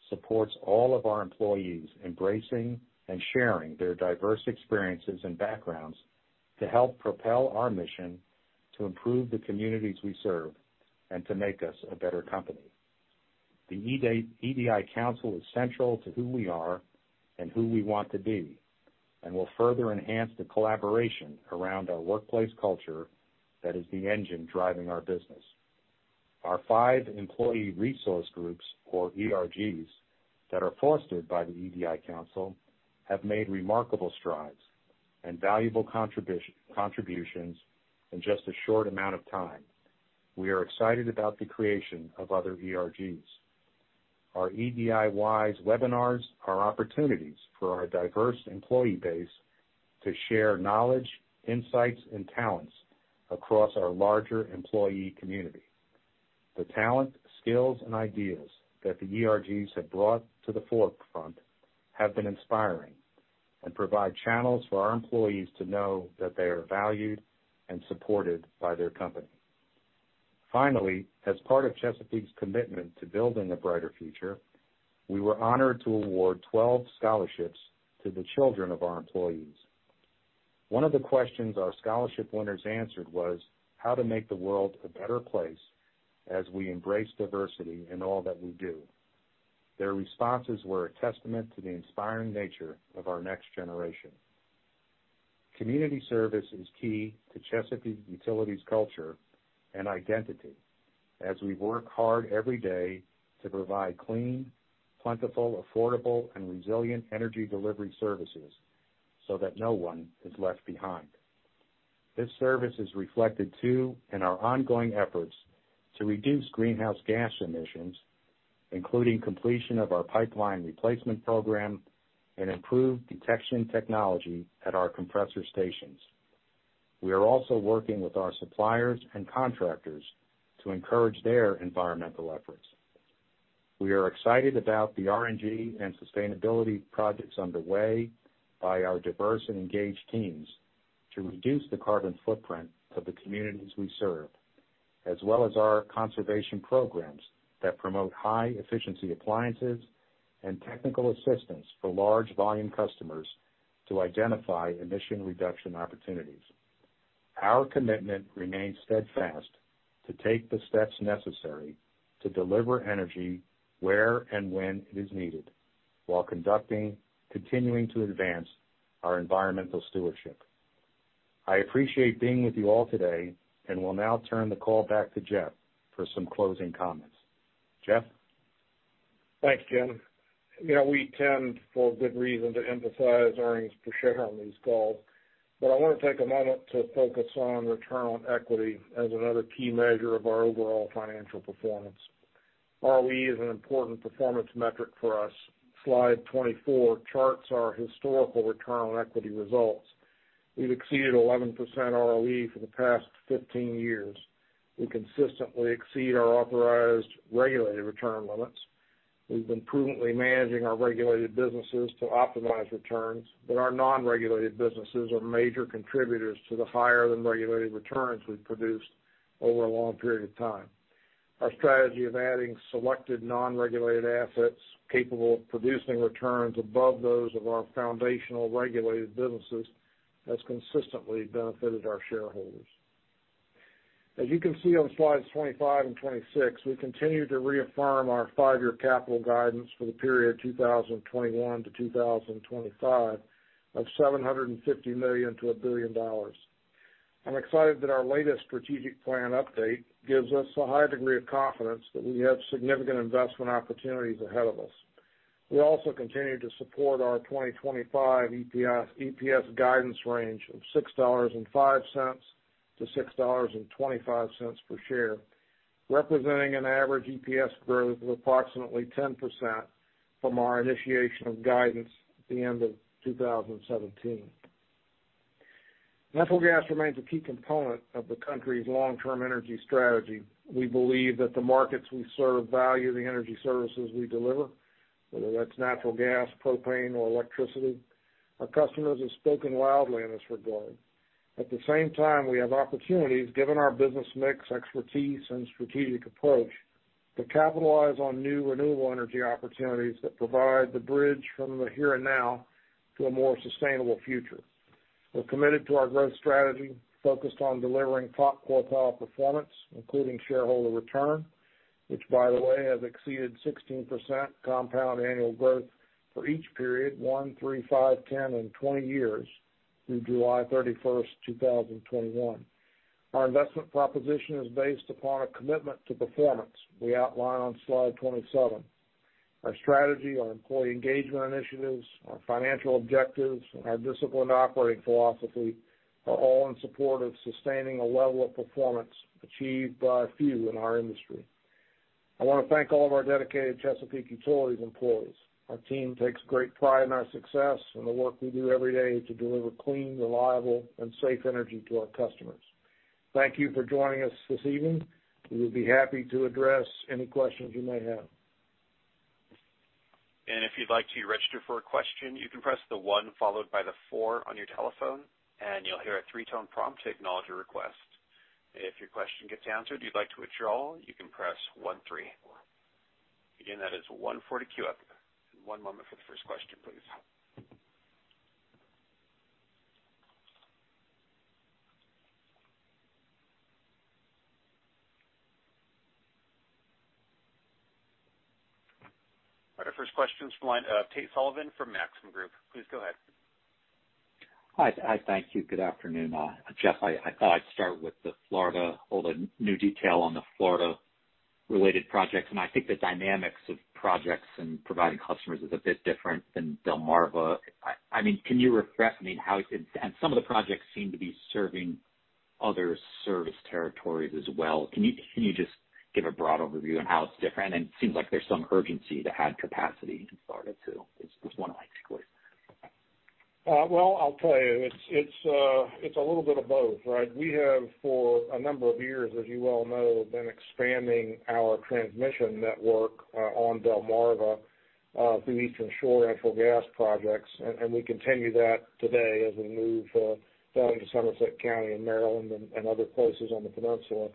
supports all of our employees embracing and sharing their diverse experiences and backgrounds to help propel our mission to improve the communities we serve and to make us a better company. The EDI Council is central to who we are and who we want to be, and will further enhance the collaboration around our workplace culture that is the engine driving our business. Our five Employee Resource Groups, or ERGs, that are fostered by the EDI Council have made remarkable strides and valuable contributions in just a short amount of time. We are excited about the creation of other ERGs. Our EDI WISE webinars are opportunities for our diverse employee base to share knowledge, insights, and talents across our larger employee community. The talent, skills, and ideas that the ERGs have brought to the forefront have been inspiring and provide channels for our employees to know that they are valued and supported by their company. Finally, as part of Chesapeake's commitment to building a brighter future, we were honored to award 12 scholarships to the children of our employees. One of the questions our scholarship winners answered was how to make the world a better place as we embrace diversity in all that we do. Their responses were a testament to the inspiring nature of our next generation. Community service is key to Chesapeake Utilities' culture and identity as we work hard every day to provide clean, plentiful, affordable, and resilient energy delivery services so that no one is left behind. This service is reflected too in our ongoing efforts to reduce greenhouse gas emissions, including completion of our pipeline replacement program and improved detection technology at our compressor stations. We are also working with our suppliers and contractors to encourage their environmental efforts. We are excited about the RNG and sustainability projects underway by our diverse and engaged teams to reduce the carbon footprint of the communities we serve, as well as our conservation programs that promote high-efficiency appliances and technical assistance for large-volume customers to identify emission reduction opportunities. Our commitment remains steadfast to take the steps necessary to deliver energy where and when it is needed while continuing to advance our environmental stewardship. I appreciate being with you all today and will now turn the call back to Jeff for some closing comments. Jeff? Thanks, Jim. We tend, for good reason, to emphasize earnings per share on these calls, but I want to take a moment to focus on return on equity as another key measure of our overall financial performance. ROE is an important performance metric for us. Slide 24 charts our historical return on equity results. We've exceeded 11% ROE for the past 15 years. We consistently exceed our authorized regulated return limits. We've been prudently managing our regulated businesses to optimize returns, but our non-regulated businesses are major contributors to the higher-than-regulated returns we've produced over a long period of time. Our strategy of adding selected non-regulated assets capable of producing returns above those of our foundational regulated businesses has consistently benefited our shareholders. As you can see on slides 25 and 26, we continue to reaffirm our five-year capital guidance for the period 2021-2025 of $750 million-$1 billion. I'm excited that our latest strategic plan update gives us a high degree of confidence that we have significant investment opportunities ahead of us. We also continue to support our 2025 EPS guidance range of $6.05-$6.25 per share, representing an average EPS growth of approximately 10% from our initiation of guidance at the end of 2017. Natural gas remains a key component of the country's long-term energy strategy. We believe that the markets we serve value the energy services we deliver, whether that's natural gas, propane, or electricity. Our customers have spoken loudly in this regard. At the same time, we have opportunities, given our business mix, expertise, and strategic approach, to capitalize on new renewable energy opportunities that provide the bridge from the here and now to a more sustainable future. We're committed to our growth strategy, focused on delivering top quartile performance, including shareholder return, which, by the way, has exceeded 16% compound annual growth for each period one, three, five, 10, and 20 years through July 31, 2021. Our investment proposition is based upon a commitment to performance we outline on slide 27. Our strategy, our employee engagement initiatives, our financial objectives, and our disciplined operating philosophy are all in support of sustaining a level of performance achieved by few in our industry. I want to thank all of our dedicated Chesapeake Utilities employees. Our team takes great pride in our success and the work we do every day to deliver clean, reliable, and safe energy to our customers. Thank you for joining us this evening. We will be happy to address any questions you may have. And if you'd like to register for a question, you can press the one followed by the four on your telephone, and you'll hear a three-tone prompt to acknowledge your request. If your question gets answered and you'd like to withdraw, you can press one three. Again, that is one then four to queue up. One moment for the first question, please. All right, our first question is from Tate Sullivan from Maxim Group. Please go ahead. Hi, thank you. Good afternoon. Jeff, I thought I'd start with the Florida or the new detail on the Florida-related projects. And I think the dynamics of projects and providing customers is a bit different than Delmarva. I mean, can you refresh me how and some of the projects seem to be serving other service territories as well. Can you just give a broad overview on how it's different? And it seems like there's some urgency to add capacity in Florida too. It's one of my takeaways. Well, I'll tell you, it's a little bit of both, right? We have, for a number of years, as you well know, been expanding our transmission network on Delmarva through Eastern Shore Natural Gas projects. And we continue that today as we move down to Somerset County in Maryland and other places on the peninsula.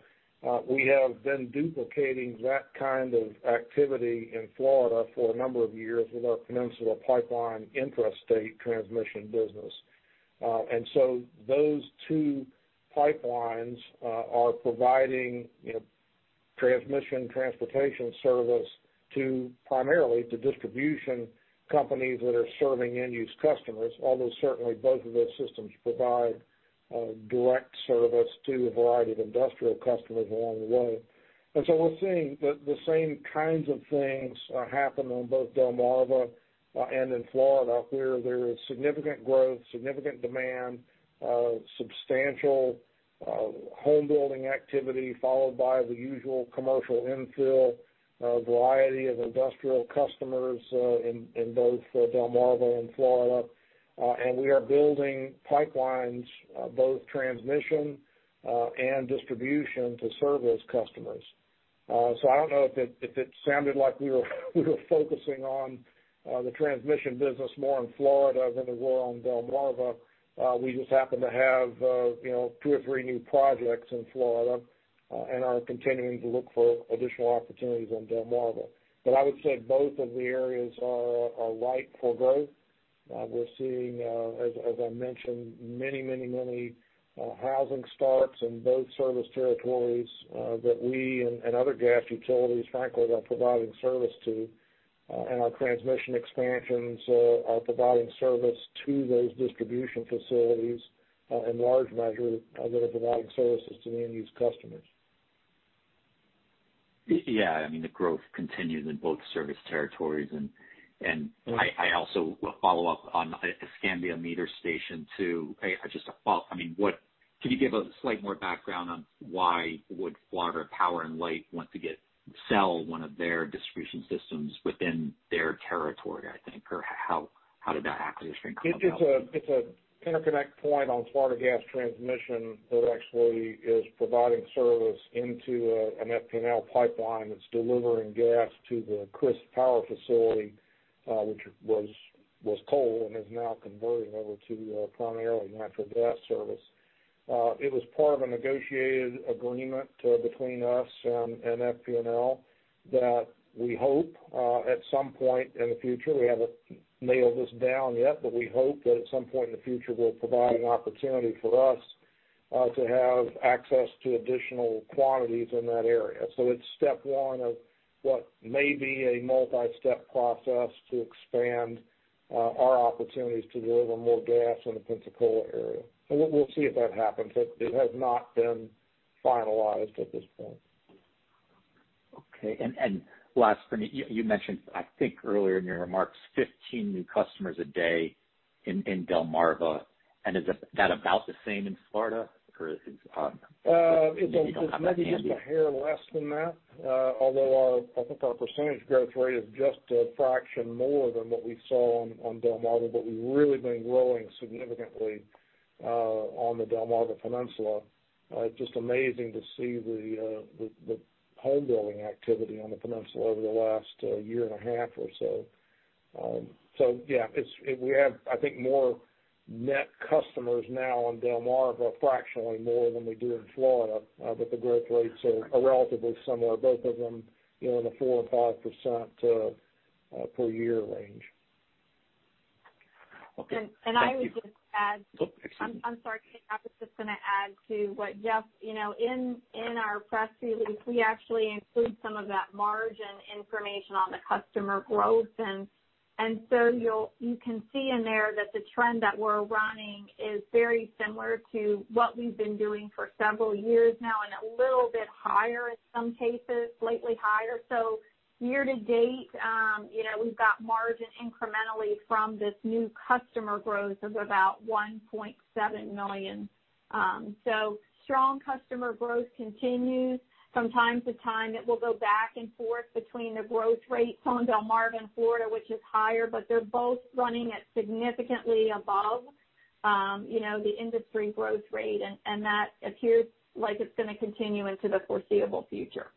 We have been duplicating that kind of activity in Florida for a number of years with our Peninsula Pipeline intrastate transmission business. And so those two pipelines are providing transmission transportation service primarily to distribution companies that are serving end-use customers, although certainly both of those systems provide direct service to a variety of industrial customers along the way. And so we're seeing that the same kinds of things happen on both Delmarva and in Florida, where there is significant growth, significant demand, substantial homebuilding activity followed by the usual commercial infill, a variety of industrial customers in both Delmarva and Florida. And we are building pipelines, both transmission and distribution, to serve those customers. So I don't know if it sounded like we were focusing on the transmission business more in Florida than we were on Delmarva. We just happen to have two or three new projects in Florida and are continuing to look for additional opportunities on Delmarva. But I would say both of the areas are ripe for growth. We're seeing, as I mentioned, many, many, many housing starts in both service territories that we and other gas utilities, frankly, are providing service to. And our transmission expansions are providing service to those distribution facilities in large measure that are providing services to the end-use customers. Yeah, I mean, the growth continues in both service territories. And I also will follow up on an Escambia meter station too. I mean, can you give slightly more background on why would Florida Power & Light want to sell one of their distribution systems within their territory, I think, or how did that acquisition come about? It's an interconnect point on Florida Gas Transmission that actually is providing service into an FP&L pipeline that's delivering gas to the Crist Power facility, which was coal and is now converting over to primarily natural gas service. It was part of a negotiated agreement between us and FP&L that we hope at some point in the future, we haven't nailed this down yet, but we hope that at some point in the future we'll provide an opportunity for us to have access to additional quantities in that area. So it's step one of what may be a multi-step process to expand our opportunities to deliver more gas in the Pensacola area. We'll see if that happens. It has not been finalized at this point. Okay. And lastly, you mentioned, I think earlier in your remarks, 15 new customers a day in Delmarva. And is that about the same in Florida? Or is it just a little bit? It may be just a hair less than that, although I think our percentage growth rate is just a fraction more than what we saw on Delmarva. But we've really been growing significantly on the Delmarva Peninsula. It's just amazing to see the homebuilding activity on the peninsula over the last year and a half or so. So yeah, we have, I think, more net customers now on Delmarva, fractionally more than we do in Florida, but the growth rates are relatively similar, both of them in the 4%-5% per year range. And I would just add. I'm sorry, Tate. I was just going to add to what Jeff said. In our press release, we actually include some of that margin information on the customer growth. And so you can see in there that the trend that we're running is very similar to what we've been doing for several years now and a little bit higher in some cases, slightly higher. So year to date, we've got margin incrementally from this new customer growth of about $1.7 million. So strong customer growth continues. From time to time, it will go back and forth between the growth rates on Delmarva and Florida, which is higher, but they're both running at significantly above the industry growth rate. And that appears like it's going to continue into the foreseeable future.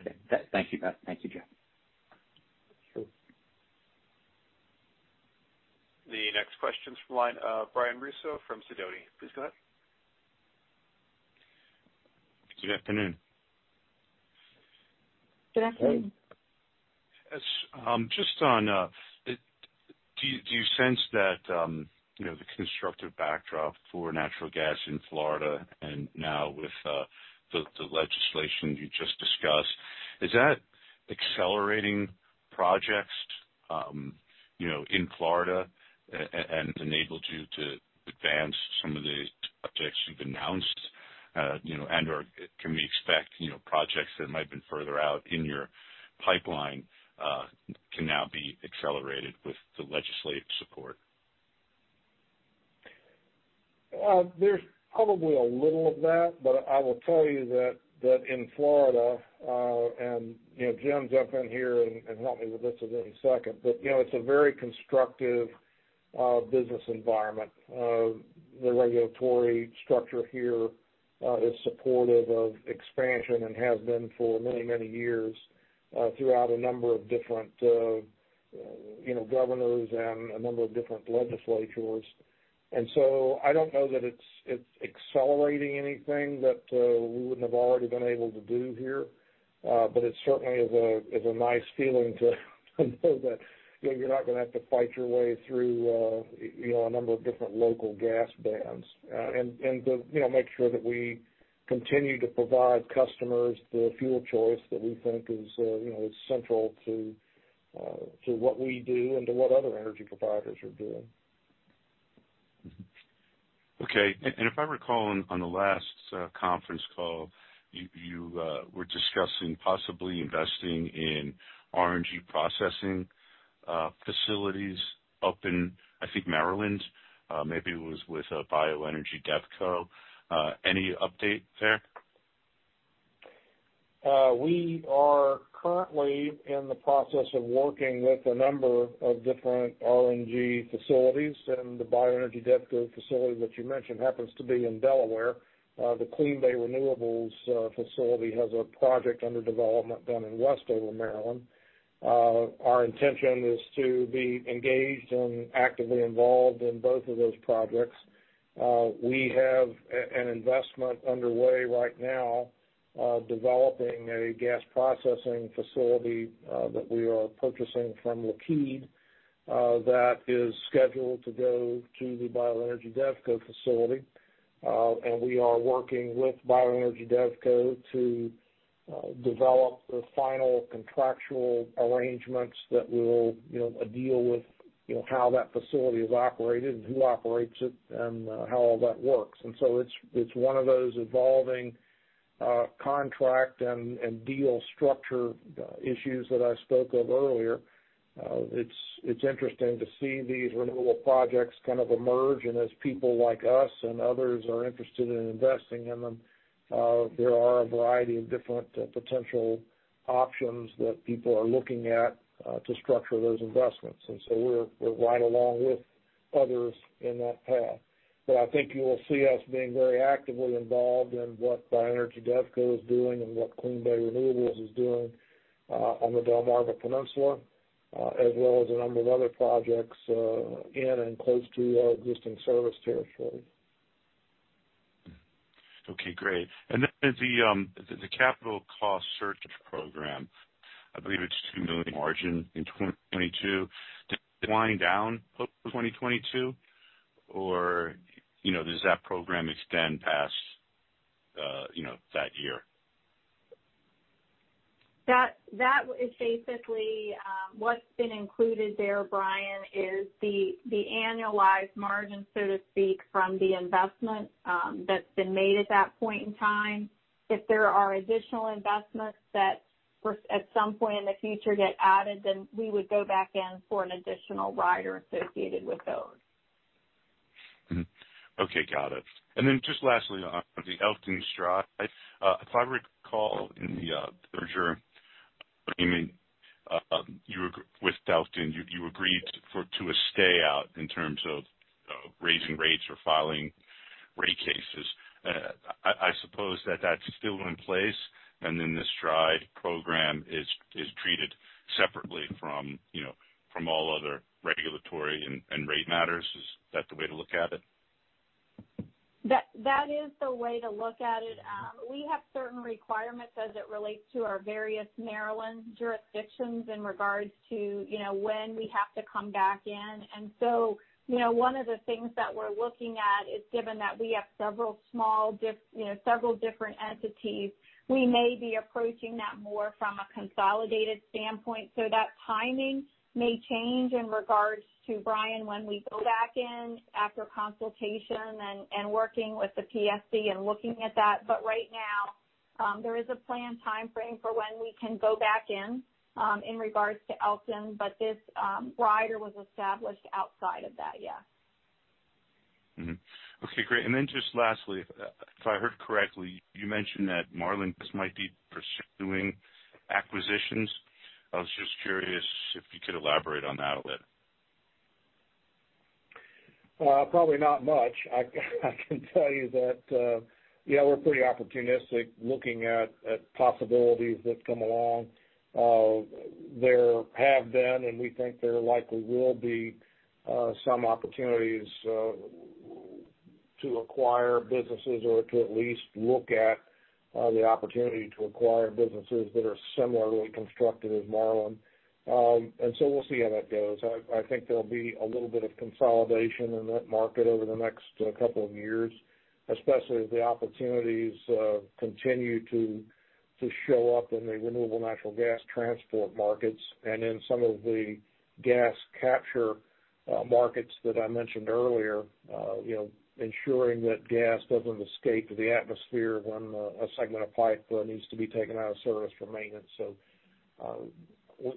Okay. Thank you, Beth. Thank you, Jeff. The next question's from Brian Russo from Sidoti. Please go ahead. Good afternoon. Good afternoon. Just on, do you sense that the constructive backdrop for natural gas in Florida and now with the legislation you just discussed, is that accelerating projects in Florida and enabled you to advance some of the projects you've announced? And can we expect projects that might have been further out in your pipeline can now be accelerated with the legislative support? There's probably a little of that, but I will tell you that in Florida, and Jim's jumping in here and help me with this in a second, but it's a very constructive business environment. The regulatory structure here is supportive of expansion and has been for many, many years throughout a number of different governors and a number of different legislatures. So I don't know that it's accelerating anything that we wouldn't have already been able to do here. But it certainly is a nice feeling to know that you're not going to have to fight your way through a number of different local gas bans. And to make sure that we continue to provide customers the fuel choice that we think is central to what we do and to what other energy providers are doing. Okay. And if I recall, on the last conference call, you were discussing possibly investing in RNG processing facilities up in, I think, Maryland. Maybe it was with a Bioenergy Devco. Any update there? We are currently in the process of working with a number of different RNG facilities. And the Bioenergy Devco facility that you mentioned happens to be in Delaware. The CleanBay Renewables facility has a project under development down in Westover, Maryland. Our intention is to be engaged and actively involved in both of those projects. We have an investment underway right now developing a gas processing facility that we are purchasing from Linde that is scheduled to go to the Bioenergy Devco facility. And we are working with Bioenergy Devco to develop the final contractual arrangements that will deal with how that facility is operated and who operates it and how all that works. And so it's one of those evolving contract and deal structure issues that I spoke of earlier. It's interesting to see these renewable projects kind of emerge. And as people like us and others are interested in investing in them, there are a variety of different potential options that people are looking at to structure those investments. And so we're right along with others in that path. But I think you will see us being very actively involved in what Bioenergy Devco is doing and what CleanBay Renewables is doing on the Delmarva Peninsula, as well as a number of other projects in and close to our existing service territory. Okay. Great. And then the capital cost surcharge program, I believe it's $2 million margin in 2022. Does it wind down post-2022? Or does that program extend past that year? That is basically what's been included there, Brian, is the annualized margin, so to speak, from the investment that's been made at that point in time. If there are additional investments that at some point in the future get added, then we would go back in for an additional rider associated with those. Okay. Got it. Then just lastly, on the Elkton STRIDE, if I recall, you agreed with Elkton to a stay-out in terms of raising rates or filing rate cases. I suppose that that's still in place. The STRIDE program is treated separately from all other regulatory and rate matters. Is that the way to look at it? That is the way to look at it. We have certain requirements as it relates to our various Maryland jurisdictions in regards to when we have to come back in. And so one of the things that we're looking at is, given that we have several different entities, we may be approaching that more from a consolidated standpoint. That timing may change in regards to, Brian, when we go back in after consultation and working with the PSC and looking at that. But right now, there is a planned timeframe for when we can go back in in regards to Elkton. But this rider was established outside of that, yes. Okay. Great. And then just lastly, if I heard correctly, you mentioned that Marlin Gas might be pursuing acquisitions. I was just curious if you could elaborate on that a bit. Probably not much. I can tell you that we're pretty opportunistic looking at possibilities that come along. There have been, and we think there likely will be some opportunities to acquire businesses or to at least look at the opportunity to acquire businesses that are similarly constructed as Marlin Gas. And so we'll see how that goes. I think there'll be a little bit of consolidation in that market over the next couple of years, especially as the opportunities continue to show up in the renewable natural gas transport markets and in some of the gas capture markets that I mentioned earlier, ensuring that gas doesn't escape to the atmosphere when a segment of pipe needs to be taken out of service for maintenance, so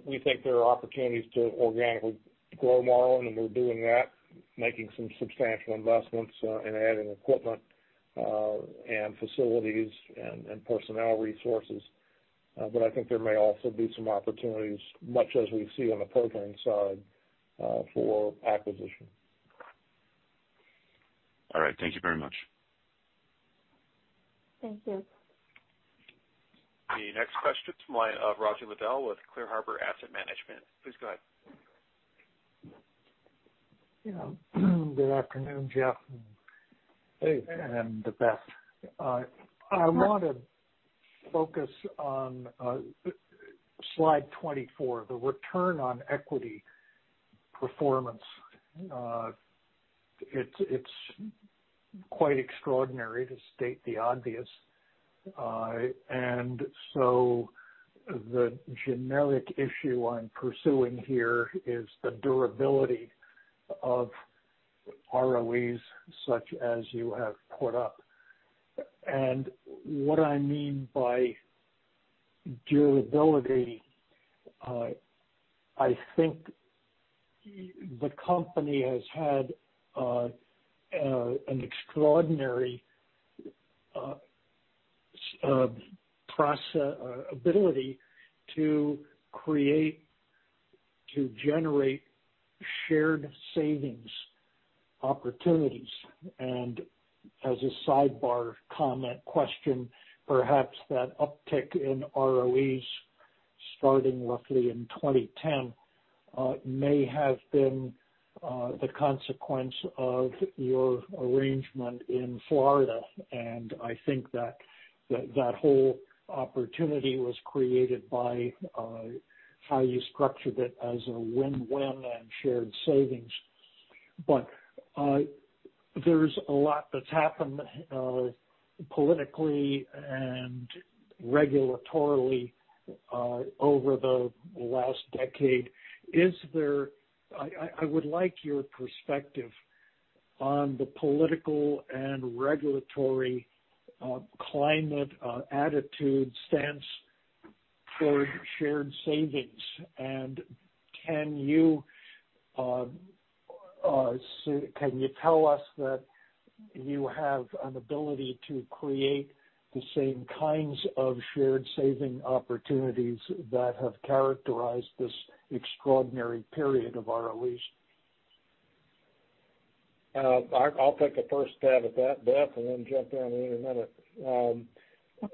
we think there are opportunities to organically grow Marlin, and we're doing that, making some substantial investments and adding equipment and facilities and personnel resources, but I think there may also be some opportunities, much as we see on the pipelining side, for acquisition. All right. Thank you very much. Thank you. The next question is from Roger Liddell with Clear Harbor Asset Management. Please go ahead. Good afternoon, Jeff. Hey. And Beth. I want to focus on Slide 24, the return on equity performance. It's quite extraordinary to state the obvious, and so the generic issue I'm pursuing here is the durability of ROEs such as you have put up, and what I mean by durability, I think the company has had an extraordinary ability to create, to generate shared savings opportunities, and as a sidebar comment question, perhaps that uptick in ROEs starting roughly in 2010 may have been the consequence of your arrangement in Florida. I think that that whole opportunity was created by how you structured it as a win-win and shared savings, but there's a lot that's happened politically and regulatorily over the last decade. I would like your perspective on the political and regulatory climate attitude, stance toward shared savings. And can you tell us that you have an ability to create the same kinds of shared saving opportunities that have characterized this extraordinary period of ROEs? I'll take the first stab at that, Beth, and then jump in on the other minute.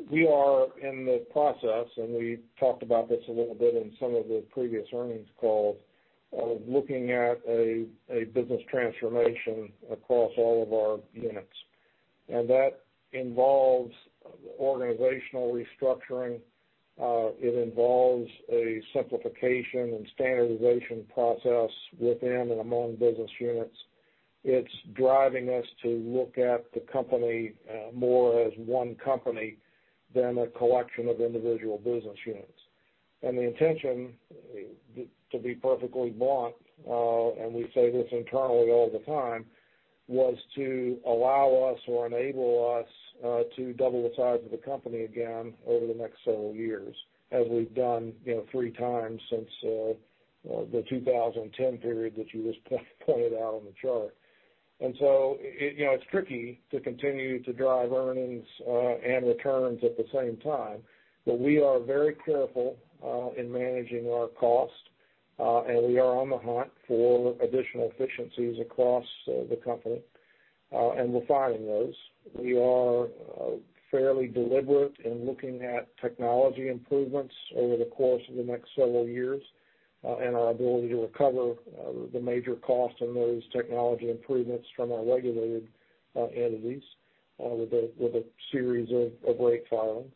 We are in the process, and we talked about this a little bit in some of the previous earnings calls, of looking at a business transformation across all of our units. And that involves organizational restructuring. It involves a simplification and standardization process within and among business units. It's driving us to look at the company more as one company than a collection of individual business units. And the intention, to be perfectly blunt, and we say this internally all the time, was to allow us or enable us to double the size of the company again over the next several years, as we've done three times since the 2010 period that you just pointed out on the chart. And so it's tricky to continue to drive earnings and returns at the same time. But we are very careful in managing our cost, and we are on the hunt for additional efficiencies across the company. And we're finding those. We are fairly deliberate in looking at technology improvements over the course of the next several years and our ability to recover the major costs on those technology improvements from our regulated entities with a series of rate filings.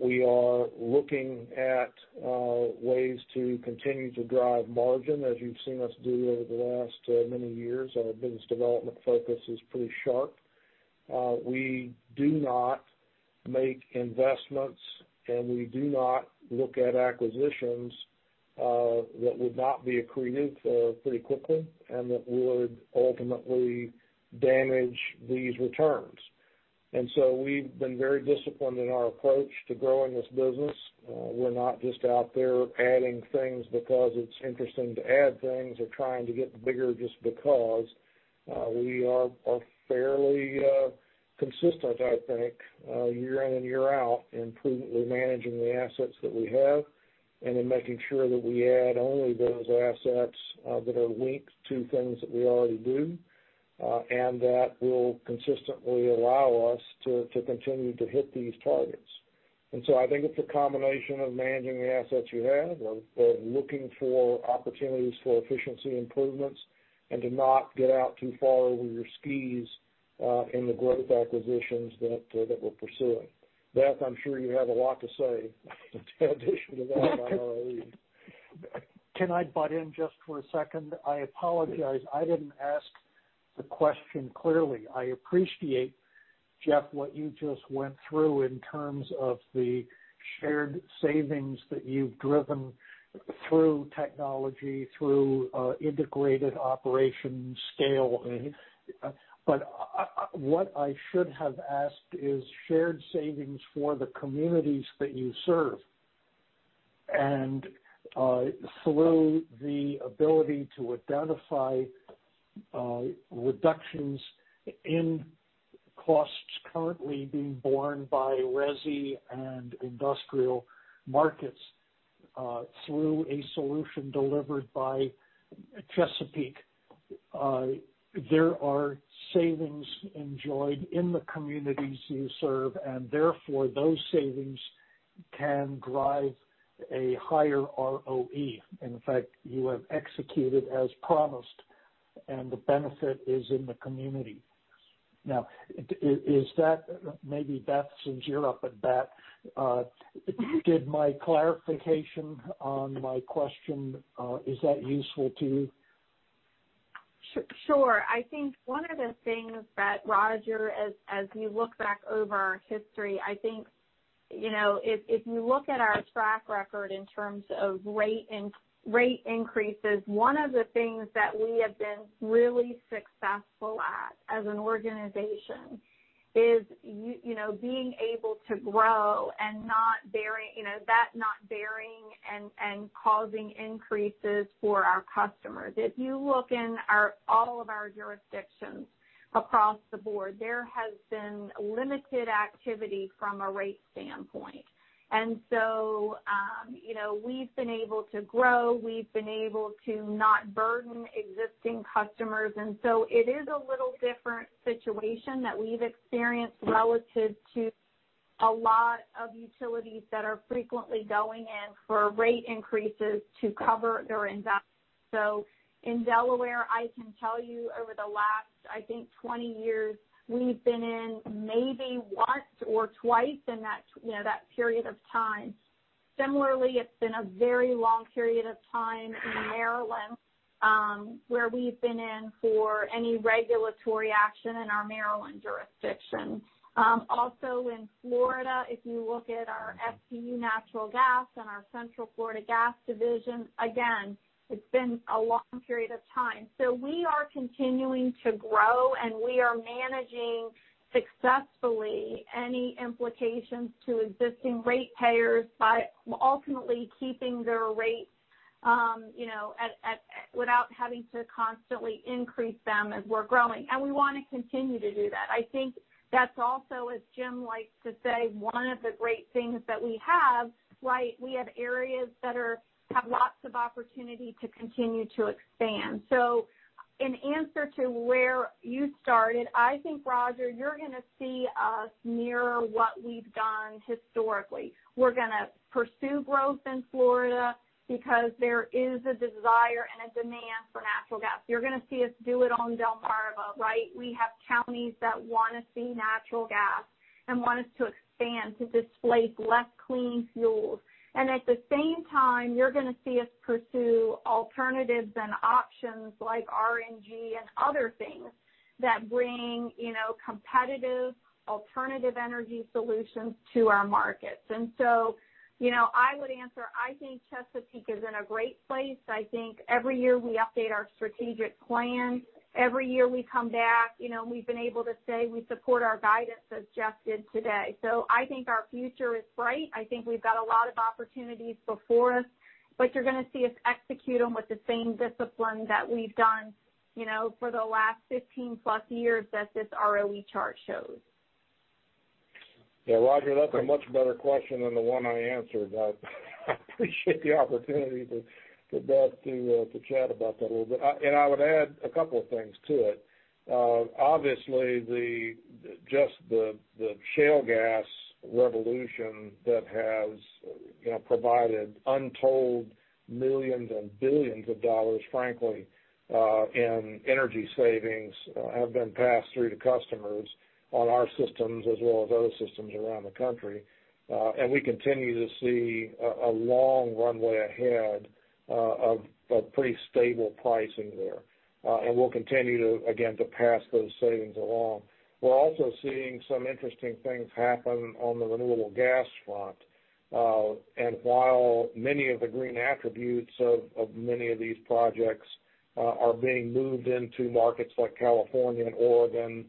We are looking at ways to continue to drive margin, as you've seen us do over the last many years. Our business development focus is pretty sharp. We do not make investments, and we do not look at acquisitions that would not be accretive pretty quickly and that would ultimately damage these returns. And so we've been very disciplined in our approach to growing this business. We're not just out there adding things because it's interesting to add things or trying to get bigger just because. We are fairly consistent, I think, year in and year out in prudently managing the assets that we have and in making sure that we add only those assets that are linked to things that we already do and that will consistently allow us to continue to hit these targets. And so I think it's a combination of managing the assets you have, of looking for opportunities for efficiency improvements, and to not get out too far over your skis in the growth acquisitions that we're pursuing. Beth, I'm sure you have a lot to say in addition to that on ROE. Can I butt in just for a second? I apologize. I didn't ask the question clearly. I appreciate, Jeff, what you just went through in terms of the shared savings that you've driven through technology, through integrated operation scale. But what I should have asked is shared savings for the communities that you serve and through the ability to identify reductions in costs currently being borne by resi and industrial markets through a solution delivered by Chesapeake. There are savings enjoyed in the communities you serve, and therefore those savings can drive a higher ROE. In fact, you have executed as promised, and the benefit is in the community. Now, is that maybe, Beth, since you're up at bat? Did my clarification on my question? Is that useful to you? Sure. I think one of the things that Roger, as you look back over our history, I think if you look at our track record in terms of rate increases, one of the things that we have been really successful at as an organization is being able to grow and not bearing that and causing increases for our customers. If you look in all of our jurisdictions across the board, there has been limited activity from a rate standpoint. And so we've been able to grow. We've been able to not burden existing customers. And so it is a little different situation that we've experienced relative to a lot of utilities that are frequently going in for rate increases to cover their investments. So in Delaware, I can tell you over the last, I think, 20 years, we've been in maybe once or twice in that period of time. Similarly, it's been a very long period of time in Maryland where we've been in for any regulatory action in our Maryland jurisdiction. Also, in Florida, if you look at our FPU Natural Gas and our Central Florida Gas Division, again, it's been a long period of time. So we are continuing to grow, and we are managing successfully any implications to existing ratepayers by ultimately keeping their rates without having to constantly increase them as we're growing. And we want to continue to do that. I think that's also, as Jim likes to say, one of the great things that we have, right? We have areas that have lots of opportunity to continue to expand. So in answer to where you started, I think, Roger, you're going to see us mirror what we've done historically. We're going to pursue growth in Florida because there is a desire and a demand for natural gas. You're going to see us do it on Delmarva, right? We have counties that want to see natural gas and want us to expand to displace less clean fuels. And at the same time, you're going to see us pursue alternatives and options like RNG and other things that bring competitive alternative energy solutions to our markets. And so I would answer, I think Chesapeake is in a great place. I think every year we update our strategic plan. Every year we come back, we've been able to say we support our guidance as Jeff did today. So I think our future is bright. I think we've got a lot of opportunities before us, but you're going to see us execute them with the same discipline that we've done for the last 15+ years that this ROE chart shows. Yeah. Roger, that's a much better question than the one I answered, but I appreciate the opportunity for Beth to chat about that a little bit, and I would add a couple of things to it. Obviously, just the shale gas revolution that has provided untold millions and billions of dollars, frankly, in energy savings have been passed through to customers on our systems as well as other systems around the country, and we continue to see a long runway ahead of pretty stable pricing there. And we'll continue to, again, pass those savings along. We're also seeing some interesting things happen on the renewable gas front. And while many of the green attributes of many of these projects are being moved into markets like California and Oregon,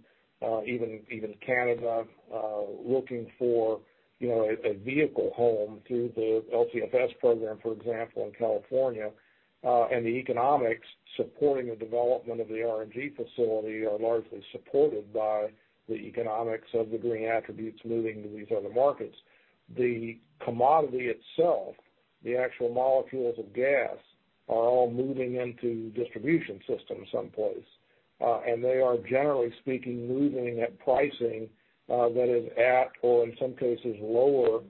even Canada, looking for a vehicle home through the LCFS program, for example, in California, and the economics supporting the development of the RNG facility are largely supported by the economics of the green attributes moving to these other markets. The commodity itself, the actual molecules of gas, are all moving into distribution systems someplace. And they are, generally speaking, moving at pricing that is at, or in some cases, lower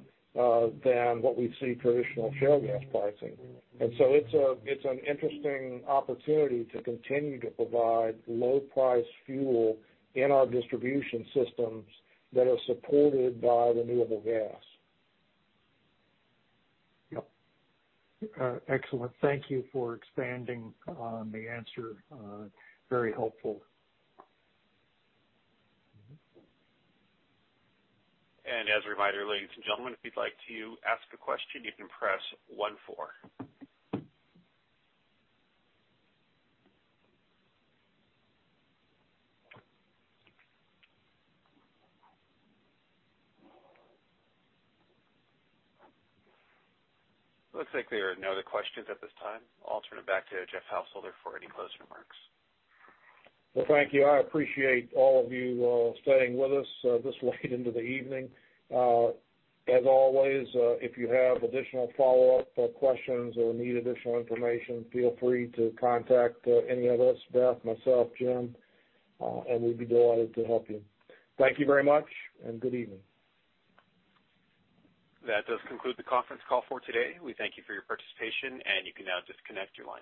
than what we see traditional shale gas pricing. And so it's an interesting opportunity to continue to provide low-priced fuel in our distribution systems that are supported by renewable gas. Yep. Excellent. Thank you for expanding on the answer. Very helpful. And as a reminder, ladies and gentlemen, if you'd like to ask a question, you can press one four. Looks like there are no other questions at this time. I'll turn it back to Jeff Householder for any closing remarks. Well, thank you. I appreciate all of you staying with us this late into the evening. As always, if you have additional follow-up questions or need additional information, feel free to contact any of us, Beth, myself, Jim, and we'd be delighted to help you. Thank you very much, and good evening. That does conclude the conference call for today. We thank you for your participation, and you can now disconnect your line.